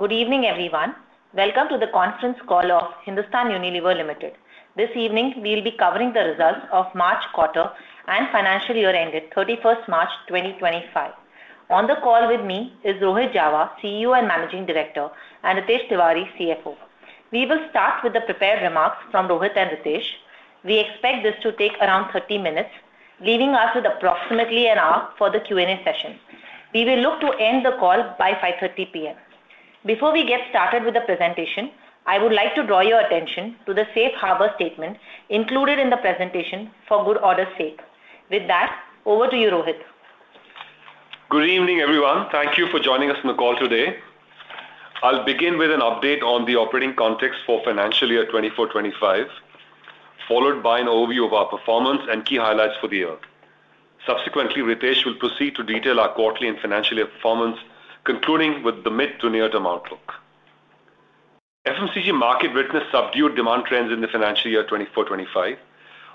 Good evening, everyone. Welcome to the conference call of Hindustan Unilever Limited. This evening, we'll be covering the results of March quarter and financial year ended 31st March 2025. On the call with me is Rohit Jawa, CEO and Managing Director, and Ritesh Tiwari, CFO. We will start with the prepared remarks from Rohit and Ritesh. We expect this to take around 30 minutes, leaving us with approximately an hour for the Q&A session. We will look to end the call by 5:30 P.M. Before we get started with the presentation, I would like to draw your attention to the Safe Harbor Statement included in the presentation for good order's sake. With that, over to you, Rohit. Good evening, everyone. Thank you for joining us on the call today. I'll begin with an update on the operating context for financial year 2024-2025, followed by an overview of our performance and key highlights for the year. Subsequently, Ritesh will proceed to detail our quarterly and financial year performance, concluding with the mid to near-term outlook. FMCG market witnessed subdued demand trends in the financial year 2024-2025.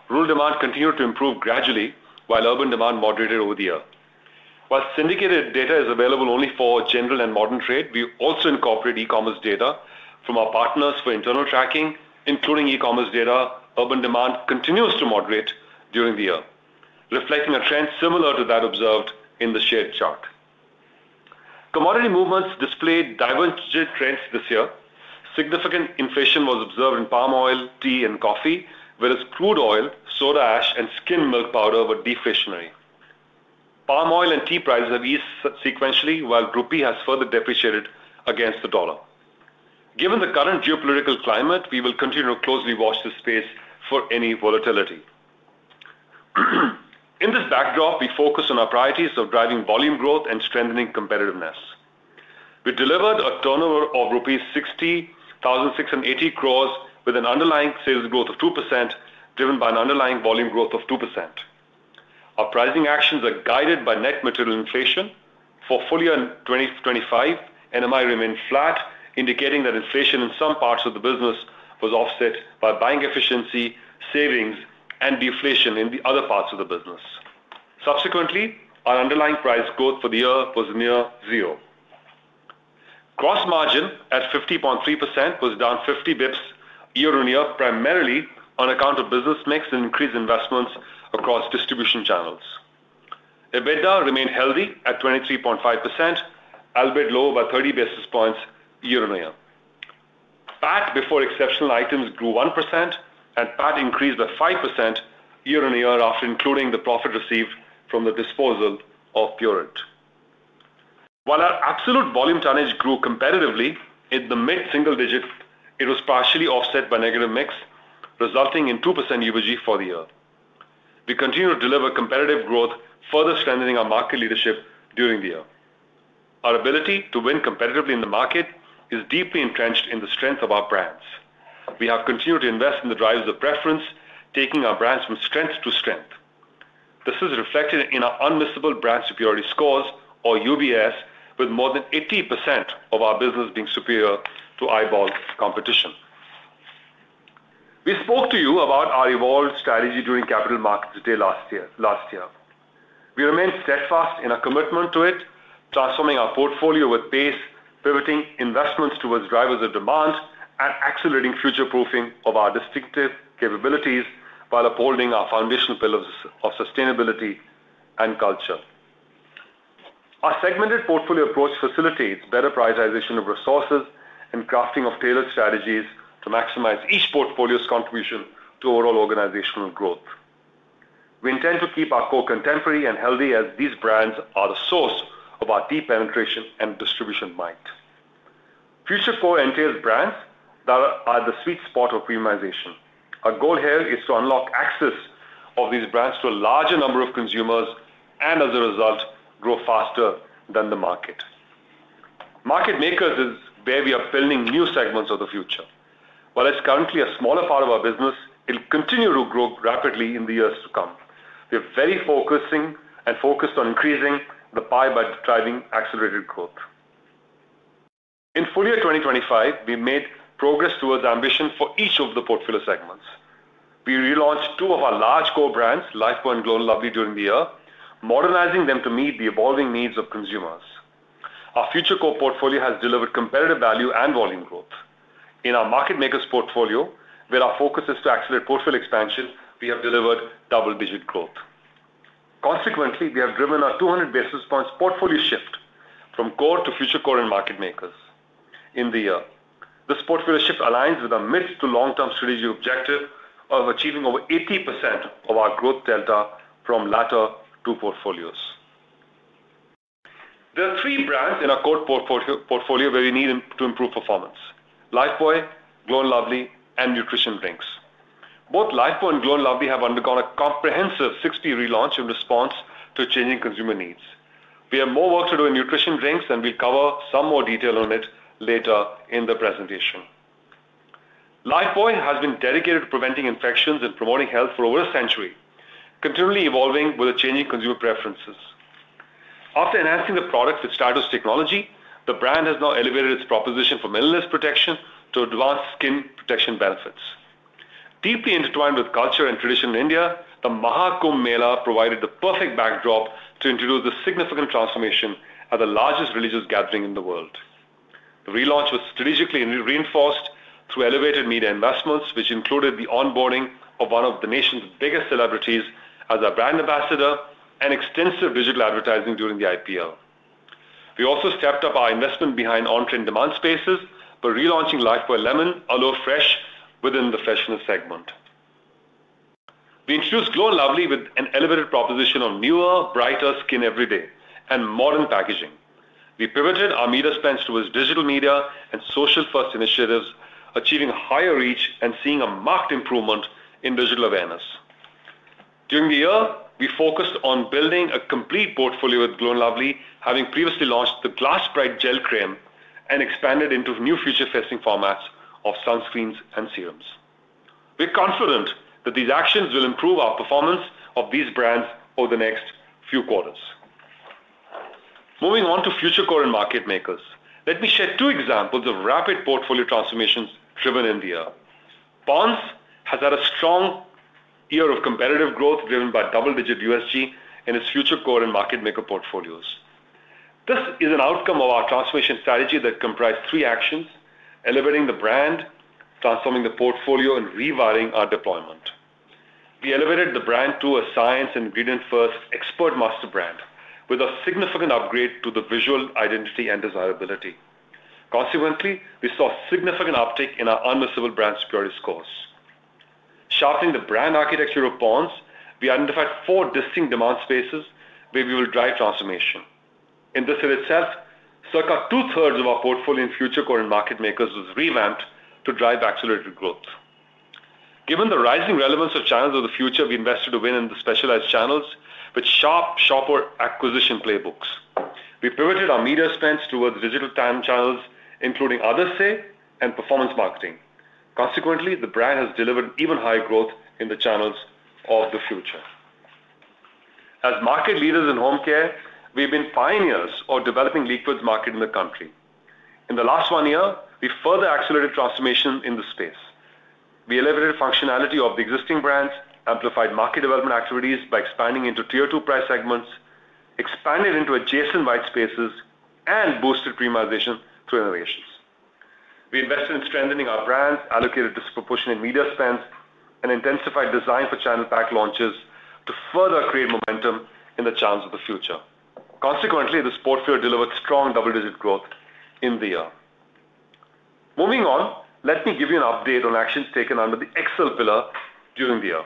Rural demand continued to improve gradually, while urban demand moderated over the year. While syndicated data is available only for general and modern trade, we also incorporate e-commerce data from our partners for internal tracking, including e-commerce data. Urban demand continues to moderate during the year, reflecting a trend similar to that observed in the shared chart. Commodity movements displayed divergent trends this year. Significant inflation was observed in palm oil, tea, and coffee, whereas crude oil, soda ash, and skim milk powder were deflationary. Palm oil and tea prices have eased sequentially, while the rupee has further depreciated against the dollar. Given the current geopolitical climate, we will continue to closely watch the space for any volatility. In this backdrop, we focus on our priorities of driving volume growth and strengthening competitiveness. We delivered a turnover of rupees 60,680 crore with an underlying sales growth of 2%, driven by an underlying volume growth of 2%. Our pricing actions are guided by net material inflation. For full year 2025, NMI remained flat, indicating that inflation in some parts of the business was offset by buying efficiency, savings, and deflation in the other parts of the business. Subsequently, our underlying price growth for the year was near zero. Gross margin at 50.3% was down 50 basis points year-on-year, primarily on account of business mix and increased investments across distribution channels. EBITDA remained healthy at 23.5%, albeit lower by 30 basis points year-on-year. PAT before exceptional items grew 1%, and PAT increased by 5% year-on-year after including the profit received from the disposal of Pureit. While our absolute volume tonnage grew competitively in the mid-single digit, it was partially offset by negative mix, resulting in 2% UVG for the year. We continue to deliver competitive growth, further strengthening our market leadership during the year. Our ability to win competitively in the market is deeply entrenched in the strength of our brands. We have continued to invest in the drivers of preference, taking our brands from strength to strength. This is reflected in our unmissable brand security sCores, or UBS, with more than 80% of our business being superior to eyeball competition. We spoke to you about our evolved strategy during Capital Markets Day last year. We remained steadfast in our commitment to it, transforming our portfolio with pace, pivoting investments towards drivers of demand and accelerating future-proofing of our distinctive capabilities while upholding our foundational pillars of sustainability and culture. Our segmented portfolio approach facilitates better prioritization of resources and crafting of tailored strategies to maximize each portfolio's contribution to overall organizational growth. We intend to keep our Core contemporary and healthy as these brands are the source of our deep penetration and distribution might. Future Core entails brands that are the sweet spot of premiumization. Our goal here is to unlock access of these brands to a larger number of consumers and, as a result, grow faster than the market. Market Makers is where we are building new segments of the future. While it's currently a smaller part of our business, it'll continue to grow rapidly in the years to come. We are very focused on increasing the pie by driving accelerated growth. In full year 2025, we made progress towards ambition for each of the portfolio segments. We relaunched two of our large Core brands, Lifebuoy and Glow & Lovely, during the year, modernizing them to meet the evolving needs of consumers. Our Future Core portfolio has delivered competitive value and volume growth. In our Market Makers portfolio, where our focus is to accelerate portfolio expansion, we have delivered double-digit growth. Consequently, we have driven our 200 basis points portfolio shift from Core to Future Core and Market Makers in the year. This portfolio shift aligns with our mid to long-term strategic objective of achieving over 80% of our growth delta from latter two portfolios. There are three brands in our Core portfolio where we need to improve performance: Lifebuoy, Glow & Lovely, and Nutrition Drinks. Both Lifebuoy and Glow & Lovely have undergone a comprehensive 6P relaunch in response to changing consumer needs. We have more work to do in Nutrition Drinks, and we'll cover some more detail on it later in the presentation. Lifebuoy has been dedicated to preventing infections and promoting health for over a century, continually evolving with the changing consumer preferences. After enhancing the product with Stratos technology, the brand has now elevated its proposition for minimalist protection to advanced skin protection benefits. Deeply intertwined with culture and tradition in India, the Maha Kumbh Mela provided the perfect backdrop to introduce the significant transformation at the largest religious gathering in the world. The relaunch was strategically reinforced through elevated media investments, which included the onboarding of one of the nation's biggest celebrities as a brand ambassador and extensive digital advertising during the IPO. We also stepped up our investment behind on-trend demand spaces by relaunching Lifebuoy Lemon, Aloe Fresh within the freshness segment. We introduced Glow & Lovely with an elevated proposition of Newer, Brighter Skin Dvery day and modern packaging. We pivoted our media spends towards digital media and social-first initiatives, achieving higher reach and seeing a marked improvement in digital awareness. During the year, we focused on building a complete portfolio with Glow & Lovely, having previously launched the Glass Bright Gel crème and expanded into new future-facing formats of sunscreens and serums. We're confident that these actions will improve our performance of these brands over the next few quarters. Moving on to Future Core and Market Makers, let me share two examples of rapid portfolio transformations driven in the year. Ponds has had a strong year of competitive growth driven by double-digit USG in its Future Core and Market Maker portfolios. This is an outcome of our transformation strategy that comprised three actions: elevating the brand, transforming the portfolio, and rewiring our deployment. We elevated the brand to a science and ingredient-first expert master brand with a significant upgrade to the visual identity and desirability. Consequently, we saw significant uptake in our unmissable brand security sCores. Sharpening the brand architecture of Ponds, we identified four distinct demand spaces where we will drive transformation. In this year itself, circa 2/3 of our portfolio in Future Core and Market Makers was revamped to drive accelerated growth. Given the rising relevance of Channels of the Future, we invested to win in the specialized channels with sharp shopper acquisition playbooks. We pivoted our media spends towards digital channels, including Other Say and performance marketing. Consequently, the brand has delivered even higher growth in the Channels of the Future. As market leaders in Home Care, we've been pioneers of developing liquids market in the country. In the last one year, we further accelerated transformation in the space. We elevated functionality of the existing brands, amplified market development activities by expanding into Tier 2 price segments, expanded into adjacent white spaces, and boosted premiumization through innovations. We invested in strengthening our brands, allocated disproportionate media spends, and intensified design for channel pack launches to further create momentum in the Channels of the Future. Consequently, this portfolio delivered strong double-digit growth in the year. Moving on, let me give you an update on actions taken under the Excel pillar during the year.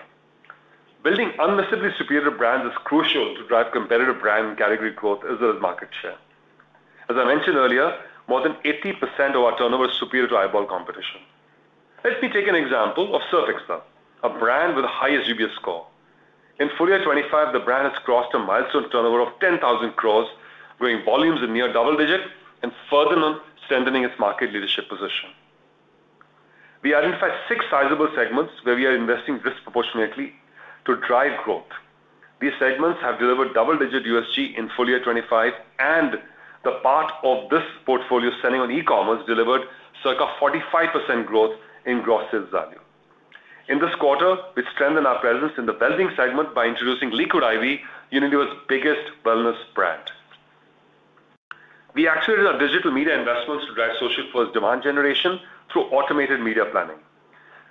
Building unmissably superior brands is crucial to drive competitive brand and category growth as well as market share. As I mentioned earlier, more than 80% of our turnover is superior to eyeball competition. Let me take an example of Surf Excel, a brand with the highest UBS sCore. In full year 2025, the brand has crossed a milestone turnover of 10,000 crore, growing volumes in near double digit and further strengthening its market leadership position. We identified six sizable segments where we are investing disproportionately to drive growth. These segments have delivered double-digit USG in full year 2025, and the part of this portfolio selling on e-commerce delivered circa 45% growth in gross sales value. In this quarter, we strengthened our presence in the wellness segment by introducing Liquid I.V., Unilever's biggest wellness brand. We accelerated our digital media investments to drive social-first demand generation through automated media planning.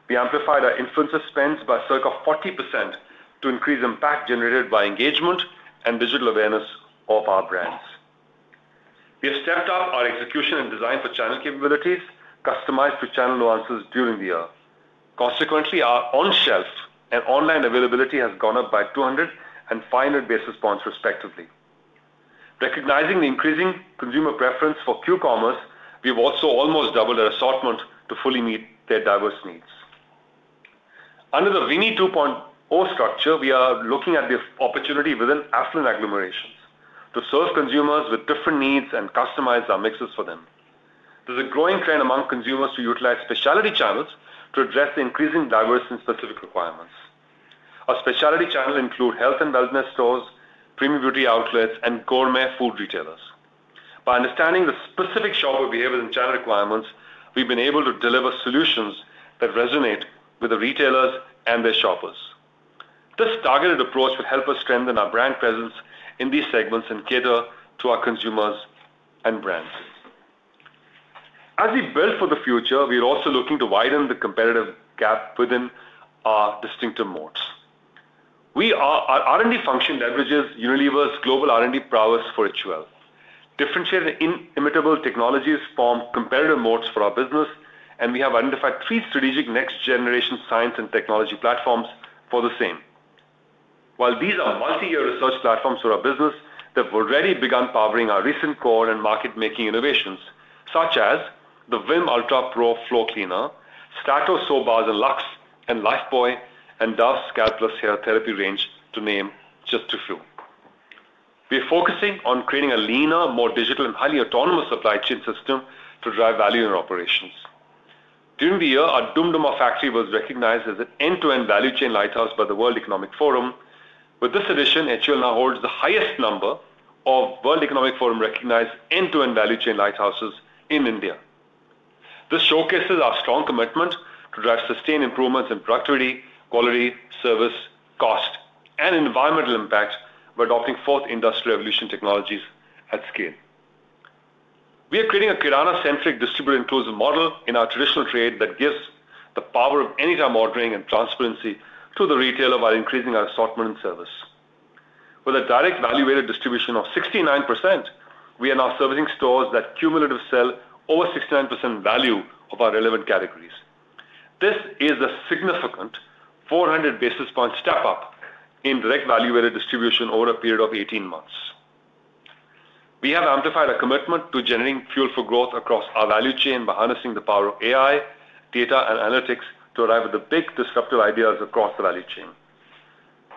We amplified our influencer spends by circa 40% to increase impact generated by engagement and digital awareness of our brands. We have stepped up our execution and design for channel capabilities, customized to channel nuances during the year. Consequently, our on-shelf and online availability has gone up by 200 and 500 basis points respectively. Recognizing the increasing consumer preference for Q-commerce, we have also almost doubled our assortment to fully meet their diverse needs. Under the WiMI 2.0 structure, we are looking at the opportunity within affluent agglomerations to serve consumers with different needs and customize our mixes for them. There is a growing trend among consumers to utilize specialty channels to address the increasing diverse and specific requirements. Our specialty channels include health and wellness stores, premium beauty outlets, and gourmet food retailers. By understanding the specific shopper behaviors and channel requirements, we have been able to deliver solutions that resonate with the retailers and their shoppers. This targeted approach will help us strengthen our brand presence in these segments and cater to our consumers and brands. As we build for the future, we are also looking to widen the competitive gap within our distinctive moats. Our R&D function leverages Unilever's global R&D prowess for its well. Differentiated inimitable technologies form competitive moats for our business, and we have identified three strategic next-generation science and technology platforms for the same. While these are multi-year research platforms for our business, they have already begun powering our recent Core and Market Making innovations, such as the Vim UltraPro floor cleaner, Stratos soap bars and Lux, and Lifebuoy and Dove Scalp+ Hair range, to name just a few. We are focusing on creating a leaner, more digital, and highly autonomous supply chain system to drive value in our operations. During the year, our Doom Dooma factory was recognized as an end-to-end value chain Lighthouse by the World Economic Forum. With this addition, HUL now holds the highest number of World Economic Forum-recognized end-to-end value chain Lighthouses in India. This showcases our strong commitment to drive sustained improvements in productivity, quality, service, cost, and environmental impact by adopting fourth-industry evolution technologies at scale. We are creating a Kirana-centric distributed-inclusive model in our traditional trade that gives the power of anytime ordering and transparency to the retailer while increasing our assortment and service. With a direct value-weighted distribution of 69%, we are now servicing stores that cumulatively sell over 69% value of our relevant categories. This is a significant 400 basis points step-up in direct value-weighted distribution over a period of 18 months. We have amplified our commitment to generating fuel for growth across our value chain by harnessing the power of AI, data, and analytics to arrive at the big disruptive ideas across the value chain.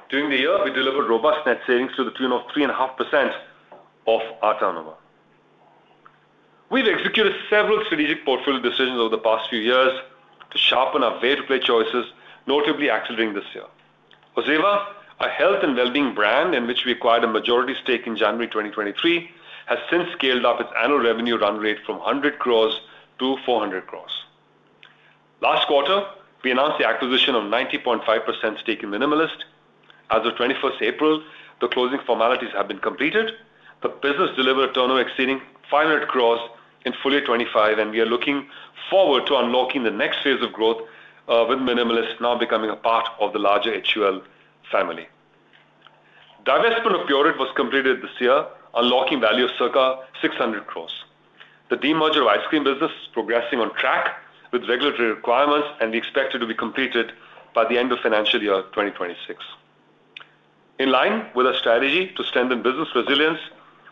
During the year, we delivered robust net savings to the tune of 3.5% of our turnover. We've executed several strategic portfolio decisions over the past few years to sharpen our way-to-play choices, notably accelerating this year. Oziva, our health and well-being brand in which we acquired a majority stake in January 2023, has since scaled up its annual revenue run rate from 100 crore to 400 crore. Last quarter, we announced the acquisition of a 90.5% stake in Minimalist. As of 21st April, the closing formalities have been completed. The business delivered a turnover exceeding 500 crore in full year 2025, and we are looking forward to unlocking the next phase of growth with Minimalist now becoming a part of the larger HUL family. Divestment of Pureit was completed this year, unlocking value of circa 600 crore. The demerger of the ice cream business is progressing on track with regulatory requirements, and we expect it to be completed by the end of financial year 2026. In line with our strategy to strengthen business resilience,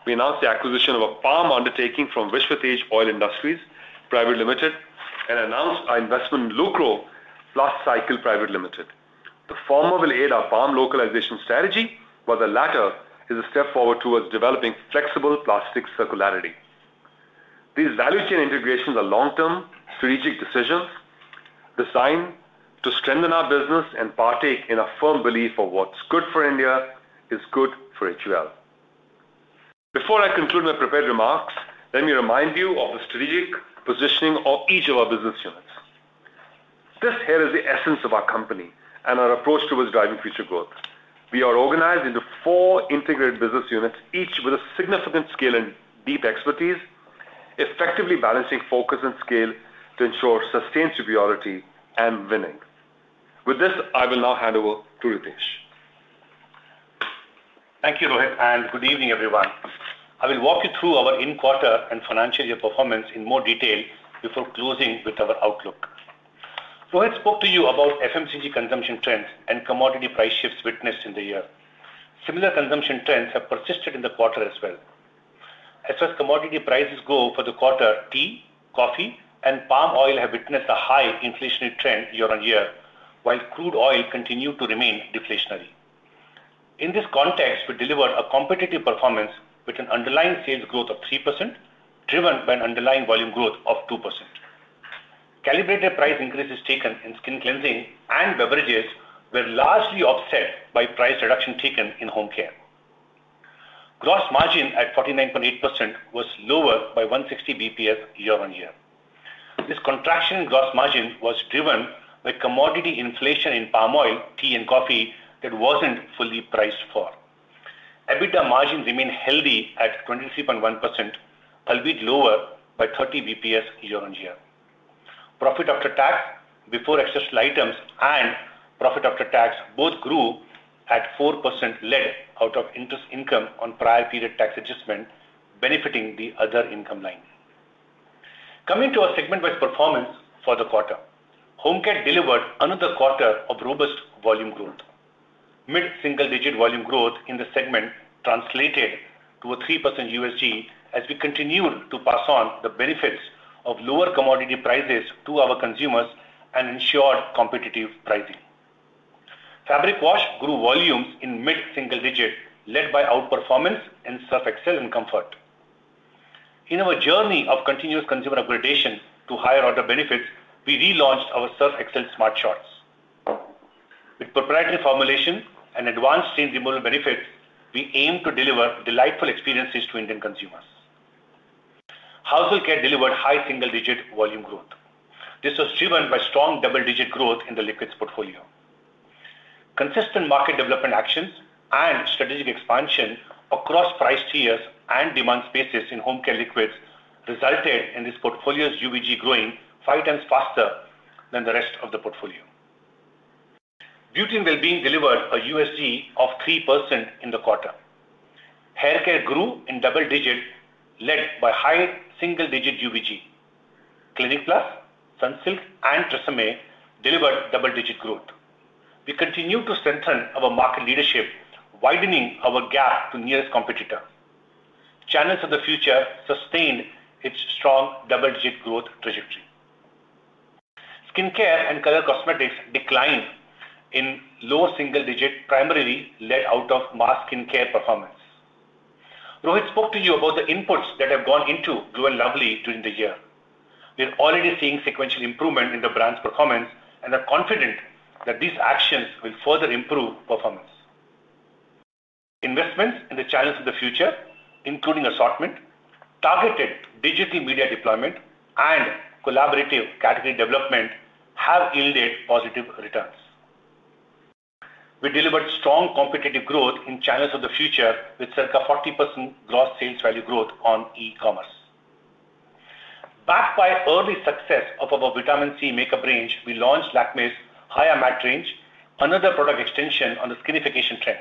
we announced the acquisition of a palm undertaking from Vishwatej Oil Industries Private With this, I will now hand over to Ritesh. Thank you, Rohit, and good evening, everyone. I will walk you through our in-quarter and financial year performance in more detail before closing with our outlook. Rohit spoke to you about FMCG consumption trends and commodity price shifts witnessed in the year. Similar consumption trends have persisted in the quarter as well. As far as commodity prices go for the quarter, Tea, Coffee, and Palm oil have witnessed a high inflationary trend year-on-year, while Crude oil continued to remain deflationary. In this context, we delivered a competitive performance with an underlying sales growth of 3%, driven by an underlying volume growth of 2%. Calibrated price increases taken in Skin Cleansing and Beverages were largely offset by price reduction taken in Home Care. Gross margin at 49.8% was lower by 160 basis points year-on-year. This contraction in gross margin was driven by commodity inflation in Palm oil, Tea, and Coffee that was not fully priced for. EBITDA margin remained healthy at 23.1%, albeit lower by 30 basis points year-on-year. Profit after tax before access to items and profit after tax both grew at 4% led out of interest income on prior period tax adjustment, benefiting the other income line. Coming to our segment-wise performance for the quarter, Home Care delivered another quarter of robust volume growth. Mid-single-digit volume growth in the segment translated to a 3% USG as we continued to pass on the benefits of lower commodity prices to our consumers and ensured competitive pricing. Fabric wash grew volumes in mid-single digit, led by outperformance in Surf Excel and Comfort. In our journey of continuous consumer upgradation to higher order benefits, we relaunched our Surf Excel Smart Shorts. With proprietary formulation and advanced stain removal benefits, we aim to deliver delightful experiences to Indian consumers. Household Care delivered high single-digit volume growth. This was driven by strong double-digit growth in the liquids portfolio. Consistent market development actions and strategic expansion across price tiers and demand spaces in Home Care liquids resulted in this portfolio's UVG growing 5x faster than the rest of the portfolio. Beauty & Well-being delivered a USG of 3% in the quarter. Hair Care grew in double digit, led by high single-digit UVG. Clinic Plus, Sunsilk, and TRESemmé delivered double-digit growth. We continue to strengthen our market leadership, widening our gap to nearest competitor. Channels of the Future sustained its strong double-digit growth trajectory. Skin Care and Colour Cosmetics declined in low single-digit primarily, led out of mass Skin Care performance. Rohit spoke to you about the inputs that have gone into Glow & Lovely during the year. We are already seeing sequential improvement in the brand's performance, and we are confident that these actions will further improve performance. Investments in the Channels of the Future, including assortment, targeted digital media deployment, and collaborative category development, have yielded positive returns. We delivered strong competitive growth in Channels of the Future with circa 40% gross sales value growth on e-commerce. Backed by early success of our vitamin C makeup range, we launched Lakmé's Hya Matte range, another product extension on the skinification trend.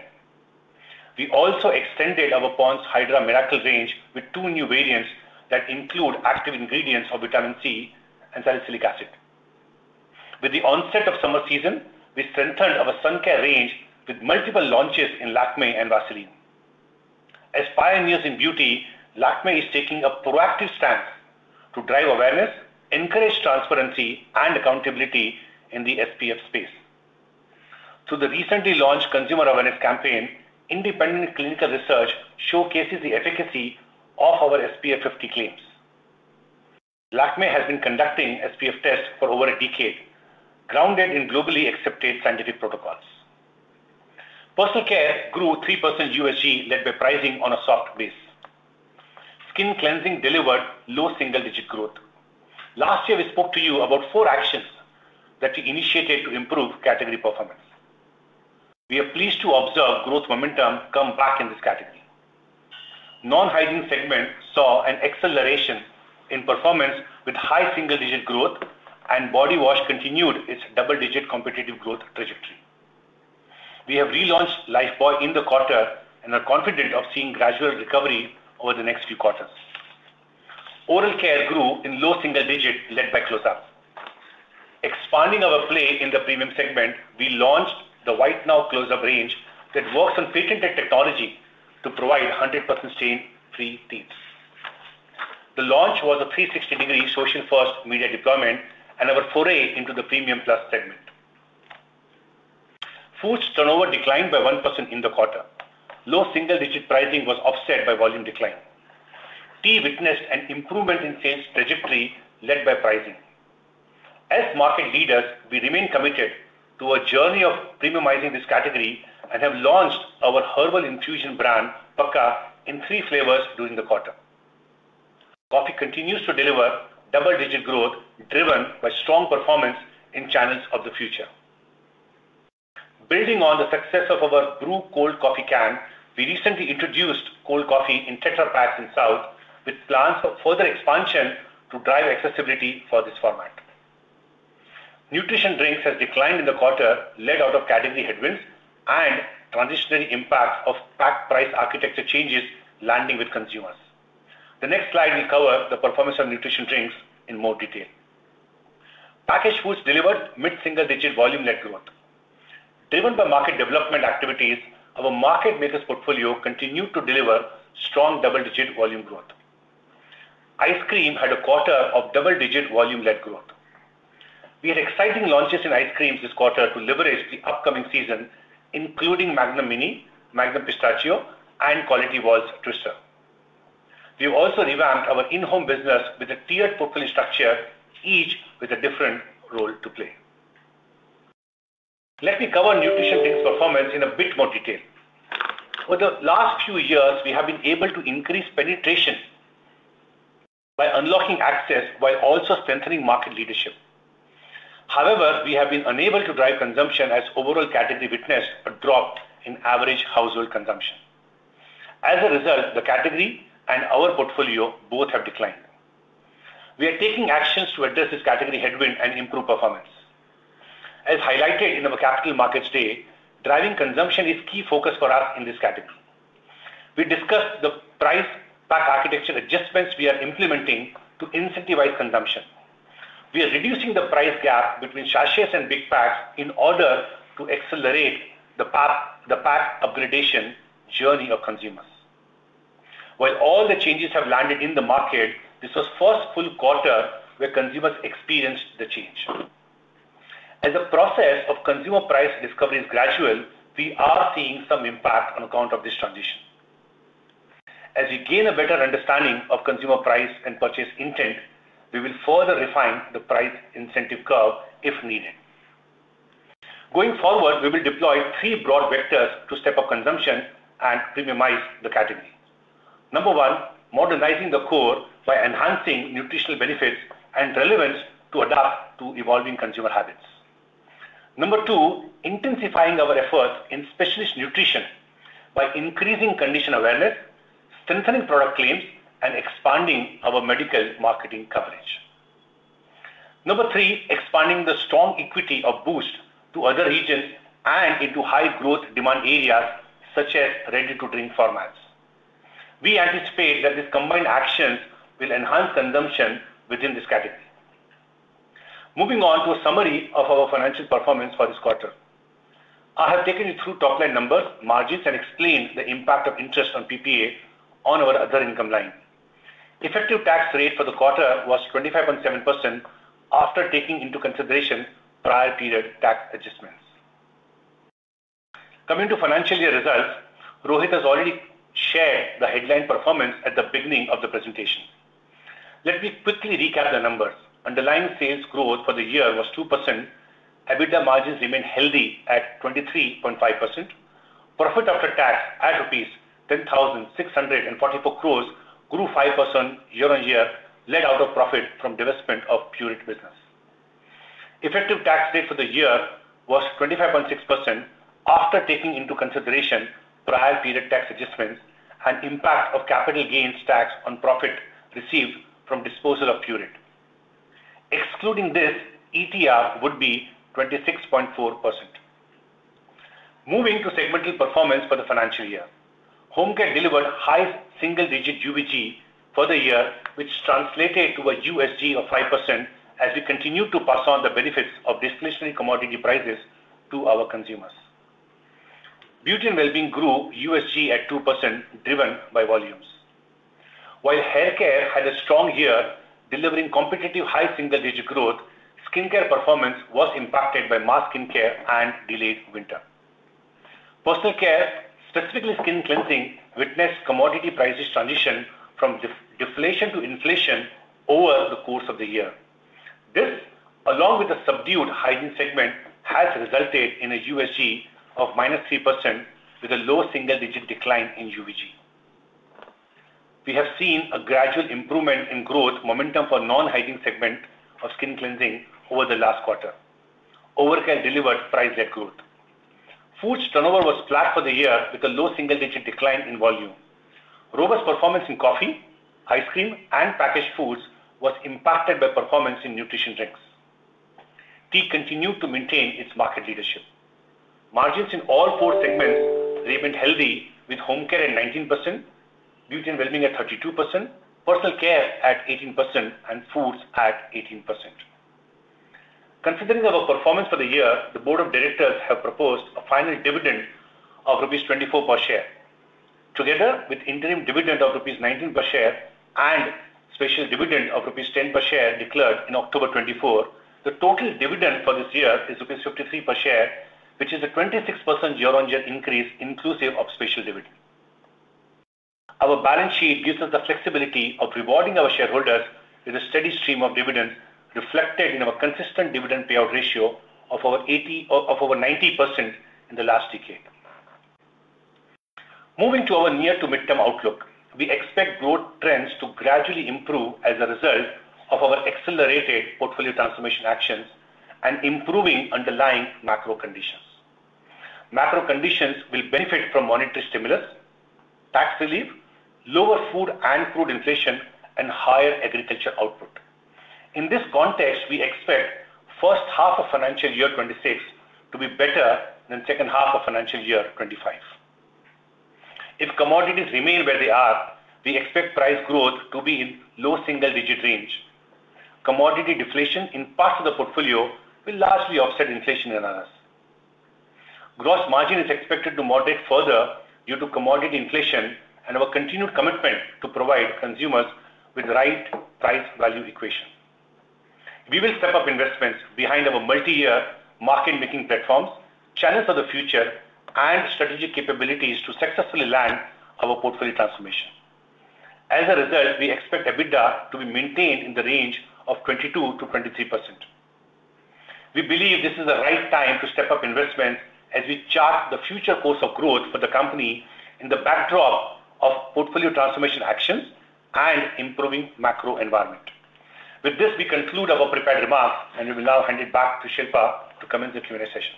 We also extended our Pond's Hydra Miracle range with two new variants that include active ingredients of vitamin C and salicylic acid. With the onset of summer season, we strengthened our sun care range with multiple launches in Lakmé and Vaseline. As pioneers in beauty, Lakmé is taking a proactive stance to drive awareness, encourage transparency, and accountability in the SPF space. Through the recently launched consumer awareness campaign, independent clinical research showcases the efficacy of our SPF 50 claims. Lakmé has been conducting SPF tests for over a decade, grounded in globally accepted scientific protocols. Personal Care grew 3% USG, led by pricing on a soft base. Skin Cleansing delivered low single-digit growth. Last year, we spoke to you about four actions that we initiated to improve category performance. We are pleased to observe growth momentum come back in this category. Non-hygiene segment saw an acceleration in performance with high single-digit growth, and body wash continued its double-digit competitive growth trajectory. We have relaunched Lifebuoy in the quarter and are confident of seeing gradual recovery over the next few quarters. Oral Care grew in low single digit, led by Close-Up. Expanding our play in the premium segment, we launched the White Now Close-Up range that works on patented technology to provide 100% stain-free teeth. The launch was a 360-degree social-first media deployment and our foray into the Premium Plus segment. Foods turnover declined by 1% in the quarter. Low single-digit pricing was offset by volume decline. Tea witnessed an improvement in sales trajectory, led by pricing. As market leaders, we remain committed to a journey of premiumizing this category and have launched our herbal infusion brand, Pukka, in three flavors during the quarter. Coffee continues to deliver double-digit growth driven by strong performance in Channels of the Future. Building on the success of our brew cold coffee can, we recently introduced cold coffee in Tetra Paks in South, with plans for further expansion to drive accessibility for this format. Nutrition Drinks have declined in the quarter, led out of category headwinds and transitionary impacts of pack price architecture changes landing with consumers. The next slide will cover the performance of Nutrition Drinks in more detail. Packaged Foods delivered mid-single digit volume-led growth. Driven by market development activities, our Market Makers portfolio continued to deliver strong double-digit volume growth. Ice cream had a quarter of double-digit volume-led growth. We had exciting launches in ice creams this quarter to leverage the upcoming season, including Magnum Mini, Magnum Pistachio, and Kwality Wall's Twister. We have also revamped our in-home business with a tiered portfolio structure, each with a different role to play. Let me cover Nutrition Drinks performance in a bit more detail. Over the last few years, we have been able to increase penetration by unlocking access while also strengthening market leadership. However, we have been unable to drive consumption as overall category witnessed a drop in average household consumption. As a result, the category and our portfolio both have declined. We are taking actions to address this category headwind and improve performance. As highlighted in our Capital Markets Day, driving consumption is a key focus for us in this category. We discussed the price pack architecture adjustments we are implementing to incentivize consumption. We are reducing the price gap between sachets and big packs in order to accelerate the pack upgradation journey of consumers. While all the changes have landed in the market, this was the first full quarter where consumers experienced the change. As the process of consumer price discovery is gradual, we are seeing some impact on account of this transition. As we gain a better understanding of consumer price and purchase intent, we will further refine the price incentive curve if needed. Going forward, we will deploy three broad vectors to step up consumption and premiumize the category. Number one, modernizing the Core by enhancing nutritional benefits and relevance to adapt to evolving consumer habits. Number two, intensifying our efforts in specialist nutrition by increasing condition awareness, strengthening product claims, and expanding our medical marketing coverage. Number three, expanding the strong equity of Boost to other regions and into high growth demand areas such as ready-to-drink formats. We anticipate that these combined actions will enhance consumption within this category. Moving on to a summary of our financial performance for this quarter, I have taken you through top-line numbers, margins, and explained the impact of interest on PPA on our other income line. Effective tax rate for the quarter was 25.7% after taking into consideration prior period tax adjustments. Coming to financial year results, Rohit has already shared the headline performance at the beginning of the presentation. Let me quickly recap the numbers. Underlying sales growth for the year was 2%. EBITDA margins remained healthy at 23.5%. Profit after tax at rupees 10,644 crore grew 5% year-on-year, led out of profit from divestment of Pureit business. Effective tax rate for the year was 25.6% after taking into consideration prior period tax adjustments and impact of capital gains tax on profit received from disposal of Pureit. Excluding this, ETR would be 26.4%. Moving to segmental performance for the financial year, Home Care delivered high single-digit UVG for the year, which translated to a USG of 5% as we continue to pass on the benefits of displacement commodity prices to our consumers. Beauty & Wellbeing grew USG at 2%, driven by volumes. While Hair Care had a strong year, delivering competitive high single-digit growth, Skin Care performance was impacted by mass skin care and delayed winter. Personal Care, specifically Skin Cleansing, witnessed commodity prices transition from deflation to inflation over the course of the year. This, along with the subdued hygiene segment, has resulted in a USG of -3% with a low single-digit decline in UVG. We have seen a gradual improvement in growth momentum for non-hygiene segment of Skin Cleansing over the last quarter. Oral Care delivered price-led growth. Foods turnover was flat for the year with a low single-digit decline in volume. Robust performance in Coffee, Ice Cream, and Packaged Foods was impacted by performance in Nutrition Drinks. Tea continued to maintain its market leadership. Margins in all four segments remained healthy with Home Care at 19%, Beauty & Wellbeing at 32%, Personal Care at 18%, and Foods at 18%. Considering our performance for the year, the board of directors have proposed a final dividend of rupees 24 per share. Together with interim dividend of rupees 19 per share and special dividend of rupees 10 per share declared in October 2024, the total dividend for this year is rupees 53 per share, which is a 26% year-on-year increase inclusive of special dividend. Our balance sheet gives us the flexibility of rewarding our shareholders with a steady stream of dividends reflected in our consistent dividend payout ratio of over 90% in the last decade. Moving to our near-to-mid-term outlook, we expect growth trends to gradually improve as a result of our accelerated portfolio transformation actions and improving underlying macro conditions. Macro conditions will benefit from monetary stimulus, tax relief, lower food and crude inflation, and higher agriculture output. In this context, we expect the first half of financial year 2026 to be better than the second half of financial year 2025. If commodities remain where they are, we expect price growth to be in low single-digit range. Commodity deflation in parts of the portfolio will largely offset inflation in analytics. Gross margin is expected to moderate further due to commodity inflation and our continued commitment to provide consumers with the right price-value equation. We will step up investments behind our multi-year market-making platforms, Channels of the Future, and strategic capabilities to successfully land our portfolio transformation. As a result, we expect EBITDA to be maintained in the range of 22%-23%. We believe this is the right time to step up investments as we chart the future course of growth for the company in the backdrop of portfolio transformation actions and improving macro environment. With this, we conclude our prepared remarks, and we will now hand it back to Shilpa to commence the Q&A session.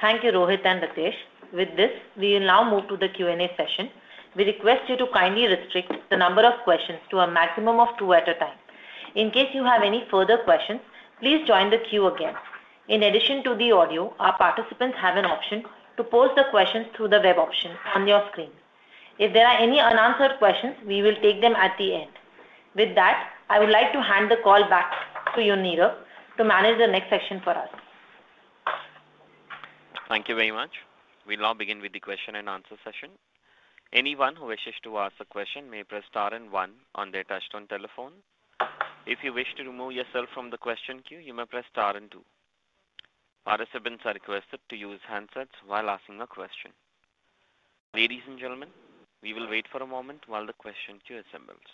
Thank you, Rohit and Ritesh. With this, we will now move to the Q&A session. We request you to kindly restrict the number of questions to a maximum of two at a time. In case you have any further questions, please join the queue again. In addition to the audio, our participants have an option to post the questions through the web option on your screen. If there are any unanswered questions, we will take them at the end. With that, I would like to hand the call back to you Neerav to manage the next section for us. Thank you very much. We'll now begin with the question-and-answer session. Anyone who wishes to ask a question may press star and one on their touchstone telephone. If you wish to remove yourself from the question queue, you may press star and two. Participants are requested to use handsets while asking a question. Ladies and gentlemen, we will wait for a moment while the question queue assembles.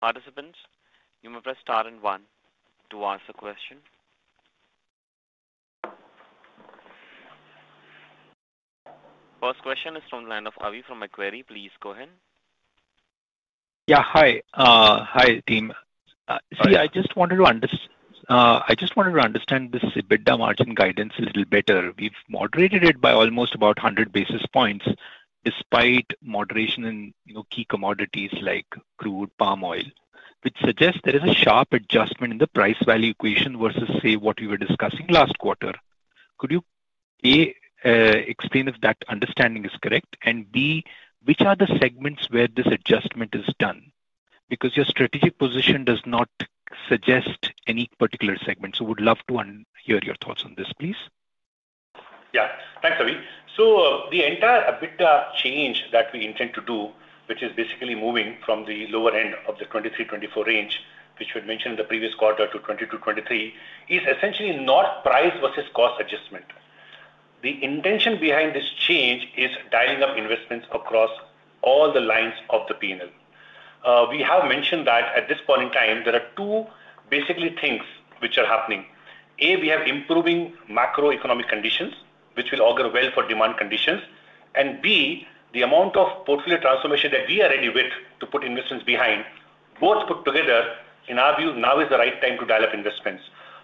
Participants, you may press star and one to ask a question. First question is from the line of Avi from Macquarie. Please go ahead. Yeah, hi. Hi, team. See, I just wanted to understand this EBITDA margin guidance a little better. We've moderated it by almost about 100 basis points despite moderation in key commodities like crude palm oil, which suggests there is a sharp adjustment in the price-value equation versus, say, what we were discussing last quarter. Could you explain if that understanding is correct? B, which are the segments where this adjustment is done? Because your strategic position does not suggest any particular segment. We'd love to hear your thoughts on this, please. Yeah. Thanks, Avi. The entire EBITDA change that we intend to do, which is basically moving from the lower end of the 23%-24% range, which we had mentioned in the previous quarter to 22%-23%, is essentially not price versus cost adjustment. The intention behind this change is dialing up investments across all the lines of the P&L. We have mentioned that at this point in time, there are two basically things which are happening. A, we have improving macroeconomic conditions, which will augur well for demand conditions. B, the amount of portfolio transformation that we are ready with to put investments behind, both put together, in our view, now is the right time to dial up investments.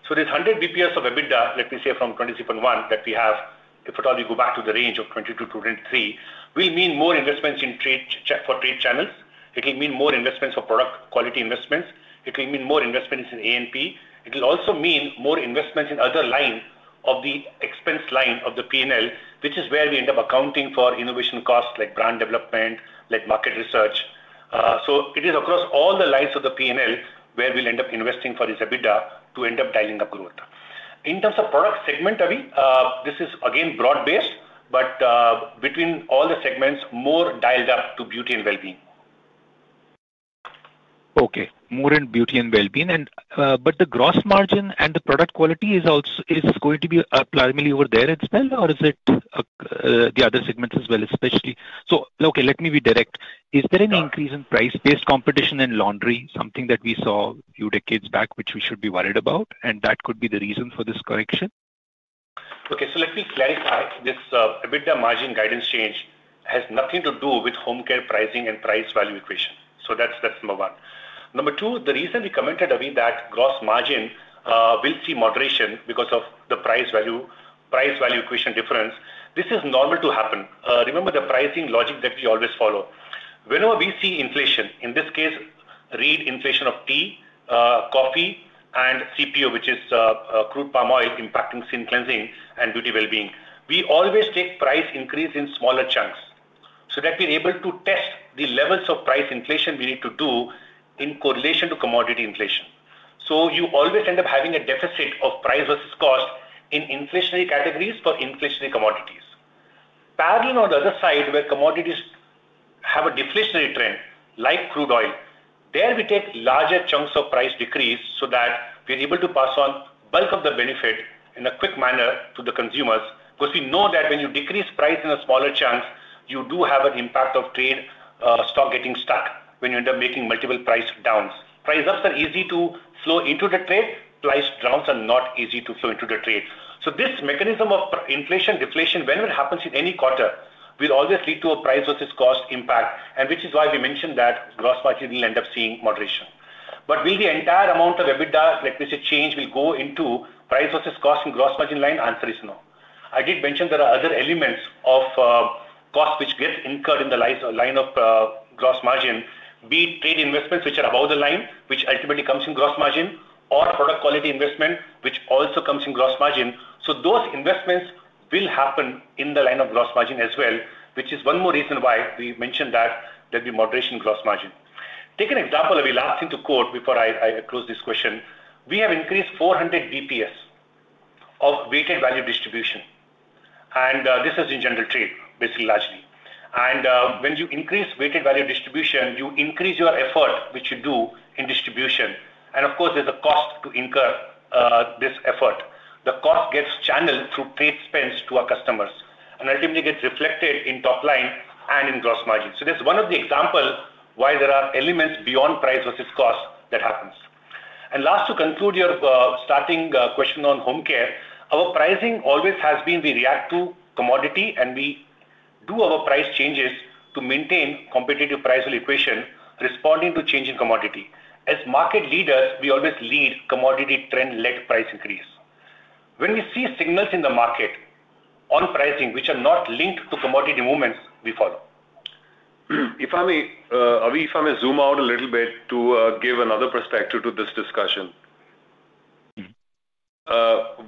This 100 basis points of EBITDA, let me say from 23.1 that we have, if at all we go back to the range of 22%-23%, will mean more investments in trade for trade channels. It will mean more investments for product quality investments. It will mean more investments in A&P. It will also mean more investments in other lines of the expense line of the P&L, which is where we end up accounting for innovation costs like brand development, like market research. It is across all the lines of the P&L where we'll end up investing for this EBITDA to end up dialing up growth. In terms of product segment, Avi, this is again broad-based, but between all the segments, more dialed up to Beauty & Wellbeing. Okay. More in Beauty & Wellbeing. But the gross margin and the product quality is going to be primarily over there, it's there, or is it the other segments as well, especially? Okay, let me be direct. Is there any increase in price-based competition in laundry, something that we saw a few decades back, which we should be worried about? That could be the reason for this correction? Okay. Let me clarify. This EBITDA margin guidance change has nothing to do with Home Care pricing and price-value equation. That's number one. Number two, the reason we commented, Avi, that gross margin will see moderation because of the price-value equation difference, this is normal to happen. Remember the pricing logic that we always follow. Whenever we see inflation, in this case, read inflation of Tea, Coffee, and CPO, which is Crude palm oil, impacting Skin Cleansing and beauty well-being, we always take price increase in smaller chunks so that we're able to test the levels of price inflation we need to do in correlation to commodity inflation. You always end up having a deficit of price versus cost in inflationary categories for inflationary commodities. Parallel on the other side, where commodities have a deflationary trend like Crude oil, there we take larger chunks of price decrease so that we're able to pass on bulk of the benefit in a quick manner to the consumers because we know that when you decrease price in a smaller chunk, you do have an impact of trade stock getting stuck when you end up making multiple price downs. Price ups are easy to flow into the trade. Price downs are not easy to flow into the trade. This mechanism of inflation, deflation, whenever it happens in any quarter, will always lead to a price versus cost impact, and which is why we mentioned that gross margin will end up seeing moderation. Will the entire amount of EBITDA, let me say, change will go into price versus cost in gross margin line? Answer is no. I did mention there are other elements of cost which get incurred in the line of gross margin, be it trade investments which are above the line, which ultimately comes in gross margin, or product quality investment which also comes in gross margin. Those investments will happen in the line of gross margin as well, which is one more reason why we mentioned that there will be moderation in gross margin. Take an example, Avi, last thing to quote before I close this question. We have increased 400 basis points of weighted value distribution. This is in general trade, basically largely. When you increase weighted value distribution, you increase your effort, which you do in distribution. Of course, there is a cost to incur this effort. The cost gets channeled through trade spends to our customers and ultimately gets reflected in top line and in gross margin. That is one of the examples why there are elements beyond price versus cost that happens. Last, to conclude your starting question on Home Care, our pricing always has been we react to commodity, and we do our price changes to maintain competitive price-value equation responding to change in commodity. As market leaders, we always lead commodity trend-led price increase. When we see signals in the market on pricing which are not linked to commodity movements, we follow. If I may, Avi, if I may zoom out a little bit to give another perspective to this discussion.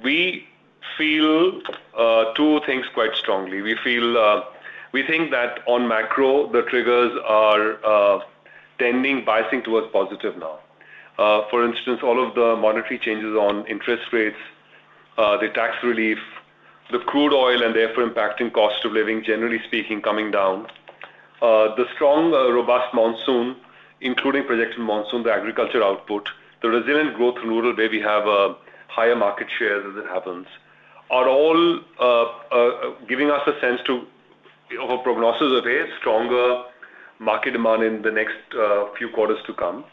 We feel two things quite strongly. We think that on macro, the triggers are tending biasing towards positive now. For instance, all of the monetary changes on interest rates, the tax relief, the crude oil and therefore impacting cost of living, generally speaking, coming down. The strong, robust monsoon, including projected monsoon, the agriculture output, the resilient growth in rural where we have higher market shares as it happens, are all giving us a sense of a prognosis of a stronger market demand in the next few quarters to come.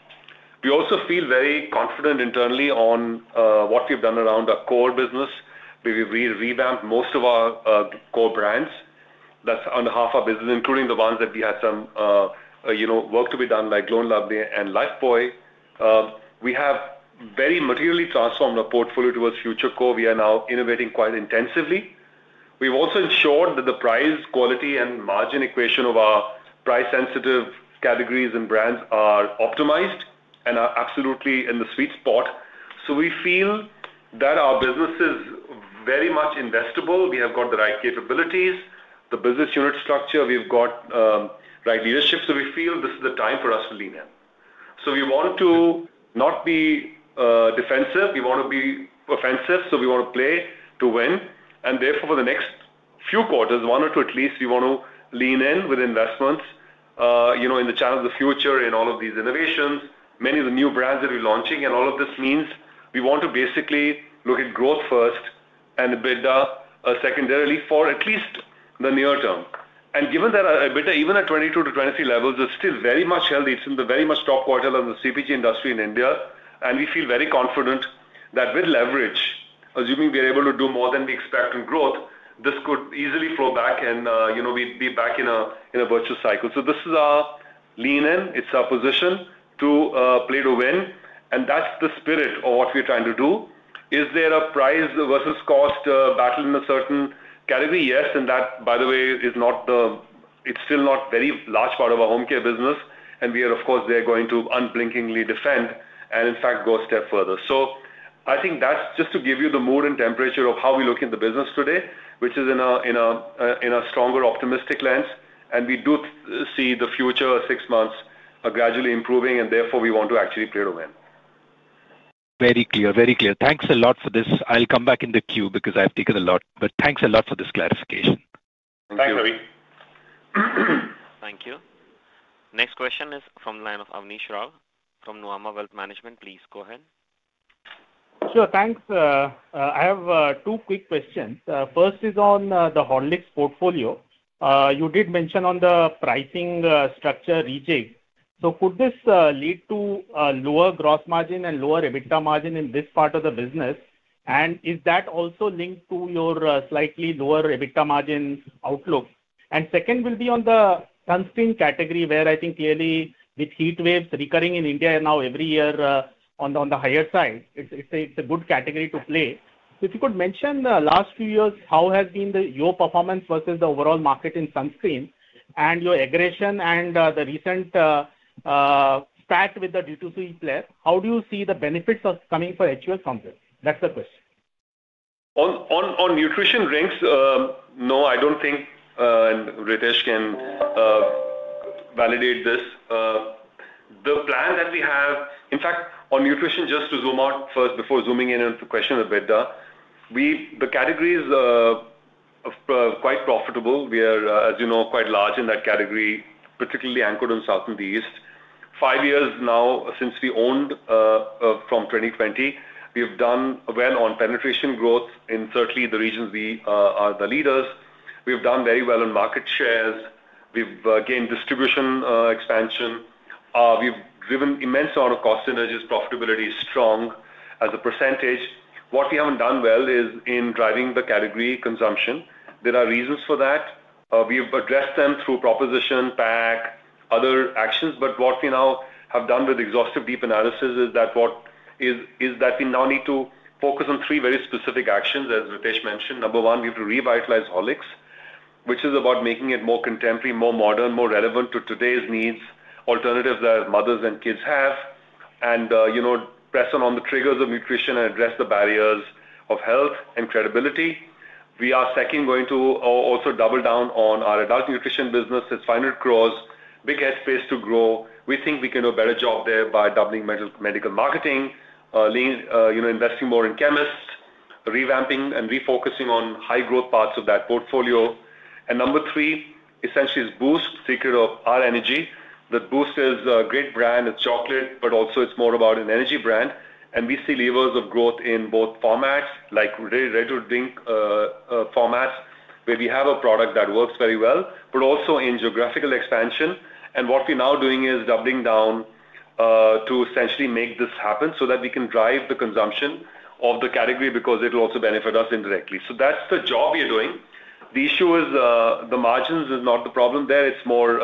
We also feel very confident internally on what we've done around our Core business. We've revamped most of our Core brands. That's under half our business, including the ones that we had some work to be done like Glow & Lovely and Lifebuoy. We have very materially transformed our portfolio towards Future Core. We are now innovating quite intensively. We've also ensured that the price, quality, and margin equation of our price-sensitive categories and brands are optimized and are absolutely in the sweet spot. We feel that our business is very much investable. We have got the right capabilities, the business unit structure. We've got the right leadership. We feel this is the time for us to lean in. We want to not be defensive. We want to be offensive. We want to play to win. Therefore, for the next few quarters, one or two at least, we want to lean in with investments in the Channels of the Future, in all of these innovations, many of the new brands that we're launching. All of this means we want to basically look at growth first and EBITDA secondarily for at least the near term. Given that EBITDA, even at 22%-23% levels, is still very much held, it's in the very much top quarter of the CPG industry in India. We feel very confident that with leverage, assuming we're able to do more than we expect in growth, this could easily flow back and be back in a virtuous cycle. This is our lean-in. It's our position to play to win. That's the spirit of what we're trying to do. Is there a price versus cost battle in a certain category? Yes. That, by the way, is not a very large part of our Home Care business. We are, of course, there going to unblinkingly defend and, in fact, go a step further. I think that's just to give you the mood and temperature of how we're looking at the business today, which is in a stronger optimistic lens. We do see the future six months gradually improving, and therefore, we want to actually play to win. Very clear. Very clear. Thanks a lot for this. I'll come back in the queue because I've taken a lot. Thanks a lot for this clarification. Thank you. Thanks, Avi. Thank you. Next question is from the line of Abneesh Roy from Nuvama Wealth Management. Please go ahead. Sure. Thanks. I have two quick questions. First is on the Horlicks portfolio. You did mention on the pricing structure re-shape. Could this lead to a lower gross margin and lower EBITDA margin in this part of the business? Is that also linked to your slightly lower EBITDA margin outlook? Second will be on the sunscreen category where I think clearly with heat waves recurring in India now every year on the higher side, it's a good category to play. If you could mention the last few years, how has been your performance versus the overall market in sunscreen and your aggression and the recent spat with the D2C player, how do you see the benefits of coming for HUL from this? That's the question. On Nutrition Drinks, no, I don't think Rakesh can validate this. The plan that we have, in fact, on Nutrition, just to zoom out first before zooming in on the question of EBITDA, the category is quite profitable. We are, as you know, quite large in that category, particularly anchored in South and the East. Five years now since we owned from 2020, we have done well on penetration growth in certainly the regions we are the leaders. We have done very well on market shares. We've gained distribution expansion. We've driven immense amount of cost synergies, profitability is strong as a percentage. What we haven't done well is in driving the category consumption. There are reasons for that. We have addressed them through proposition, PAC, other actions. What we now have done with exhaustive deep analysis is that we now need to focus on three very specific actions, as Rakesh mentioned. Number one, we have to revitalize Horlicks, which is about making it more contemporary, more modern, more relevant to today's needs, alternatives that mothers and kids have, and press on on the triggers of Nutrition and address the barriers of health and credibility. We are second going to also double down on our Adult Nutrition business. It's finally closed. Big headspace to grow. We think we can do a better job there by doubling medical marketing, investing more in chemists, revamping and refocusing on high-growth parts of that portfolio. Number three, essentially is Boost, secret of our energy. The Boost is a great brand. It's chocolate, but also it's more about an energy brand. We see levers of growth in both formats, like regular drink formats, where we have a product that works very well, but also in geographical expansion. What we're now doing is doubling down to essentially make this happen so that we can drive the consumption of the category because it will also benefit us indirectly. That's the job we're doing. The issue is the margins is not the problem there. It's more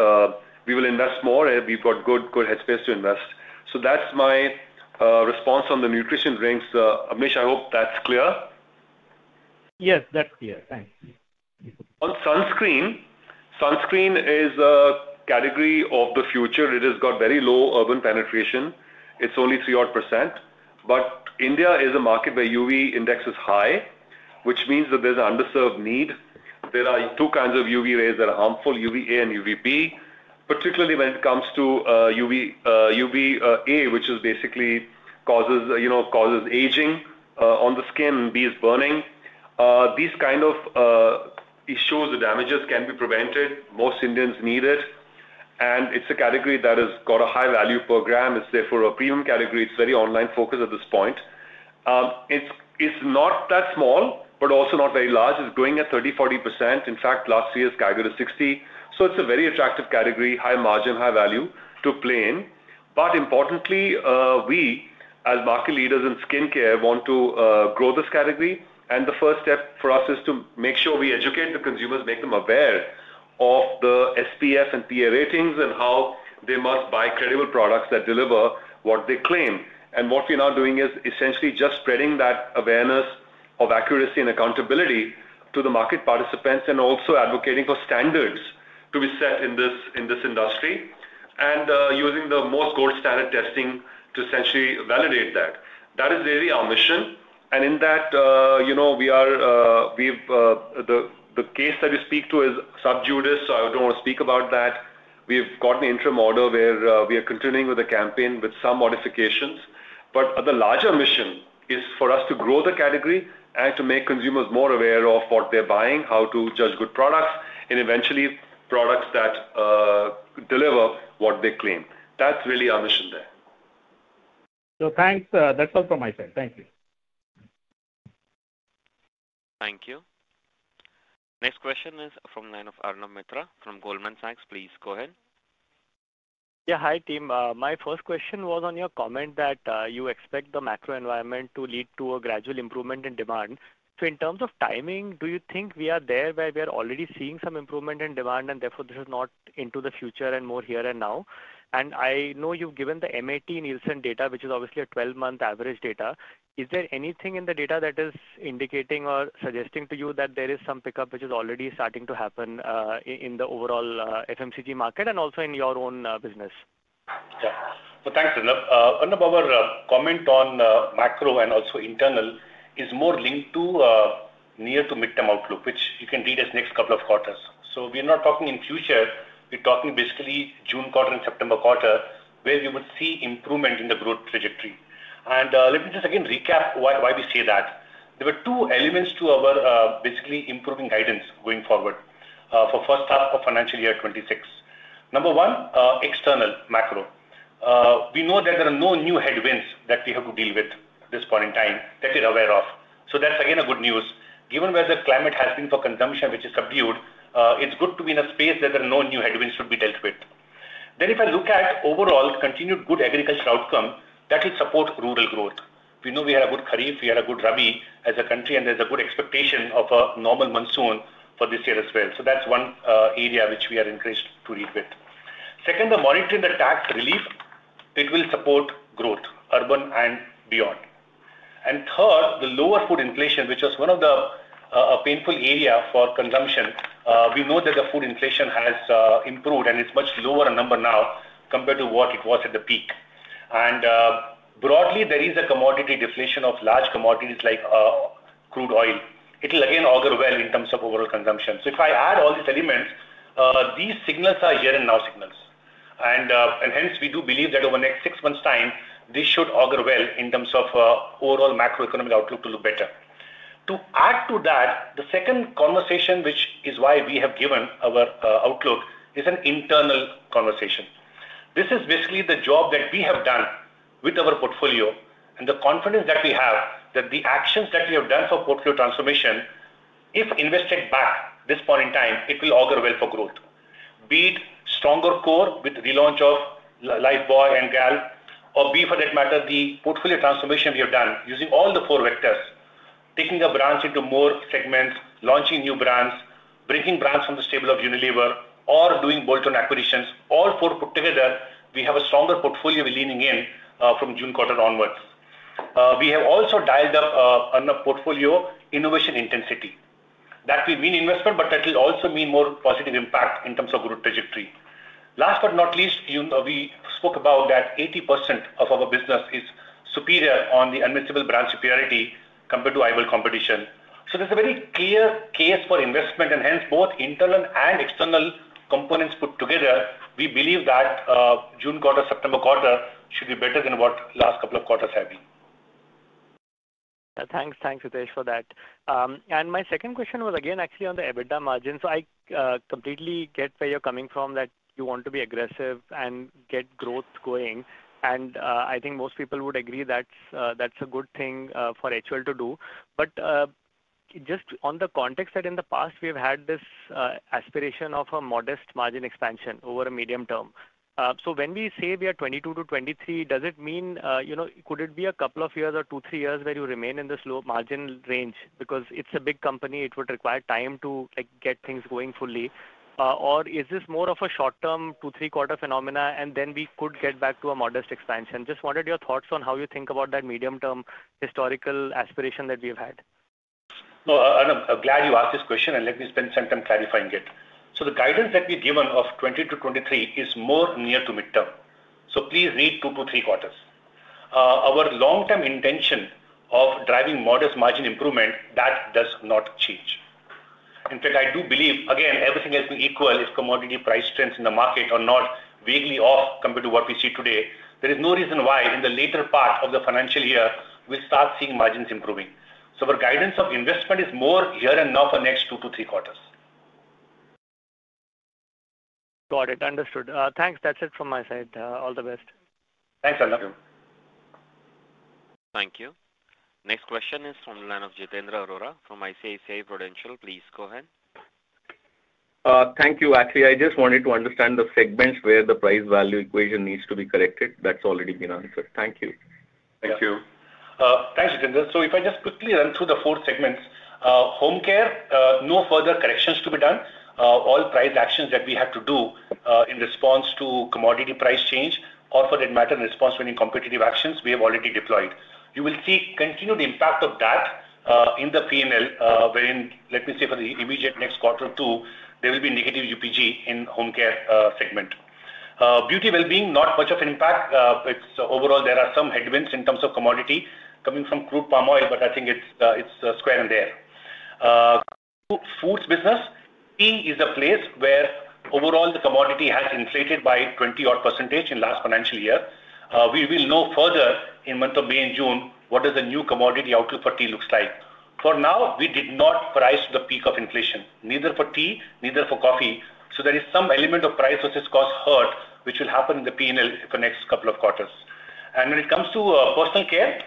we will invest more. We've got good headspace to invest. That's my response on the Nutrition Drinks. Abneesh, I hope that's clear. Yes, that's clear. Thanks. On sunscreen, sunscreen is a category of the future. It has got very low urban penetration. It's only 3%-odd. India is a market where UV index is high, which means that there's an underserved need. There are two kinds of UV rays that are harmful, UVA and UVB. Particularly when it comes to UVA, which basically causes aging on the skin, and B is burning. These kind of issues, the damages can be prevented. Most Indians need it. It's a category that has got a high value per gram. It's therefore a premium category. It's very online focused at this point. It's not that small, but also not very large. It's growing at 30%-40%. In fact, last year's calculated 60%. It's a very attractive category, high margin, high value to play in. Importantly, we as market leaders in Skin Care want to grow this category. The first step for us is to make sure we educate the consumers, make them aware of the SPF and PA ratings and how they must buy credible products that deliver what they claim. What we're now doing is essentially just spreading that awareness of accuracy and accountability to the market participants and also advocating for standards to be set in this industry and using the most gold standard testing to essentially validate that. That is really our mission. In that, we are the case that we speak to is subdued. I don't want to speak about that. We've got an interim order where we are continuing with the campaign with some modifications. But the larger mission is for us to grow the category and to make consumers more aware of what they're buying, how to judge good products, and eventually products that deliver what they claim. That's really our mission there. Thanks. That's all from my side. Thank you. Thank you. Next question is from the line of Arnab Mitra from Goldman Sachs. Please go ahead. Yeah. Hi, team. My first question was on your comment that you expect the macro environment to lead to a gradual improvement in demand. In terms of timing, do you think we are there where we are already seeing some improvement in demand and therefore this is not into the future and more here and now? I know you've given the MAT Nielsen data, which is obviously a 12-month average data. Is there anything in the data that is indicating or suggesting to you that there is some pickup which is already starting to happen in the overall FMCG market and also in your own business? Yeah. Thanks, Arnab. Arnab, our comment on macro and also internal is more linked to near to midterm outlook, which you can read as next couple of quarters. We are not talking in future. We are talking basically June quarter and September quarter where you would see improvement in the growth trajectory. Let me just again recap why we say that. There were two elements to our basically improving guidance going forward for first half of financial year 2026. Number one, external macro. We know that there are no new headwinds that we have to deal with at this point in time that we are aware of. That is again a good news. Given where the climate has been for consumption, which is subdued, it's good to be in a space that there are no new headwinds to be dealt with. If I look at overall continued good agriculture outcome, that will support rural growth. We know we had a good Kharif. We had a good Rabi as a country, and there's a good expectation of a normal monsoon for this year as well. That's one area which we are encouraged to lead with. Second, the monitoring the tax relief, it will support growth, urban and beyond. Third, the lower food inflation, which was one of the painful area for consumption. We know that the food inflation has improved, and it's much lower a number now compared to what it was at the peak. Broadly, there is a commodity deflation of large commodities like crude oil. It will again augur well in terms of overall consumption. If I add all these elements, these signals are here and now signals. Hence, we do believe that over the next six months' time, this should augur well in terms of overall macroeconomic outlook to look better. To add to that, the second conversation, which is why we have given our outlook, is an internal conversation. This is basically the job that we have done with our portfolio and the confidence that we have that the actions that we have done for portfolio transformation, if invested back this point in time, it will augur well for growth, be it stronger Core with relaunch of Lifebuoy and GAL, or be for that matter, the portfolio transformation we have done using all the four vectors, taking a brand into more segments, launching new brands, bringing brands from the stable of Unilever, or doing bolt-on acquisitions. All four put together, we have a stronger portfolio we are leaning in from June quarter onwards. We have also dialed up our portfolio innovation intensity. That will mean investment, but that will also mean more positive impact in terms of growth trajectory. Last but not least, we spoke about that 80% of our business is superior on the admissible brand superiority compared to eyeball competition. There is a very clear case for investment, and hence both internal and external components put together, we believe that June quarter, September quarter should be better than what last couple of quarters have been. Thanks, Ritesh, for that. My second question was again actually on the EBITDA margin. I completely get where you're coming from that you want to be aggressive and get growth going. I think most people would agree that's a good thing for HUL to do. Just on the context that in the past, we have had this aspiration of a modest margin expansion over a medium term. When we say we are 22%-23%, does it mean could it be a couple of years or two, three years where you remain in this low margin range? Because it is a big company. It would require time to get things going fully. Is this more of a short-term two, three-quarter phenomena, and then we could get back to a modest expansion? Just wanted your thoughts on how you think about that medium-term historical aspiration that we have had. No, Arnab, I am glad you asked this question, and let me spend some time clarifying it. The guidance that we have given of 22%-23% is more near to midterm. Please read two, two, three quarters. Our long-term intention of driving modest margin improvement, that does not change. In fact, I do believe, again, everything has been equal if commodity price trends in the market are not vaguely off compared to what we see today. There is no reason why in the later part of the financial year, we'll start seeing margins improving. Our guidance of investment is more here and now for next two, two, three quarters. Got it. Understood. Thanks. That's it from my side. All the best. Thanks, Arnab. Thank you. Thank you. Next question is from the line of Jitendra Arora from ICICI Prudential. Please go ahead. Thank you. Actually, I just wanted to understand the segments where the price-value equation needs to be corrected. That's already been answered. Thank you. Thank you. Thanks, Jitendra. If I just quickly run through the four segments, Home Care, no further corrections to be done. All price actions that we have to do in response to commodity price change or for that matter, in response to any competitive actions we have already deployed. You will see continued impact of that in the P&L where, let me say, for the immediate next quarter or two, there will be negative UPG in Home Care segment. Beauty & Wellbeing, not much of an impact. Overall, there are some headwinds in terms of commodity coming from Crude palm oil, but I think it's square and there. Foods business, Tea is a place where overall the commodity has inflated by 20% in last financial year. We will know further in month of May and June what does the new commodity outlook for Tea looks like. For now, we did not price to the peak of inflation, neither for Tea, neither for Coffee. There is some element of price versus cost hurt which will happen in the P&L for the next couple of quarters. When it comes to Personal Care,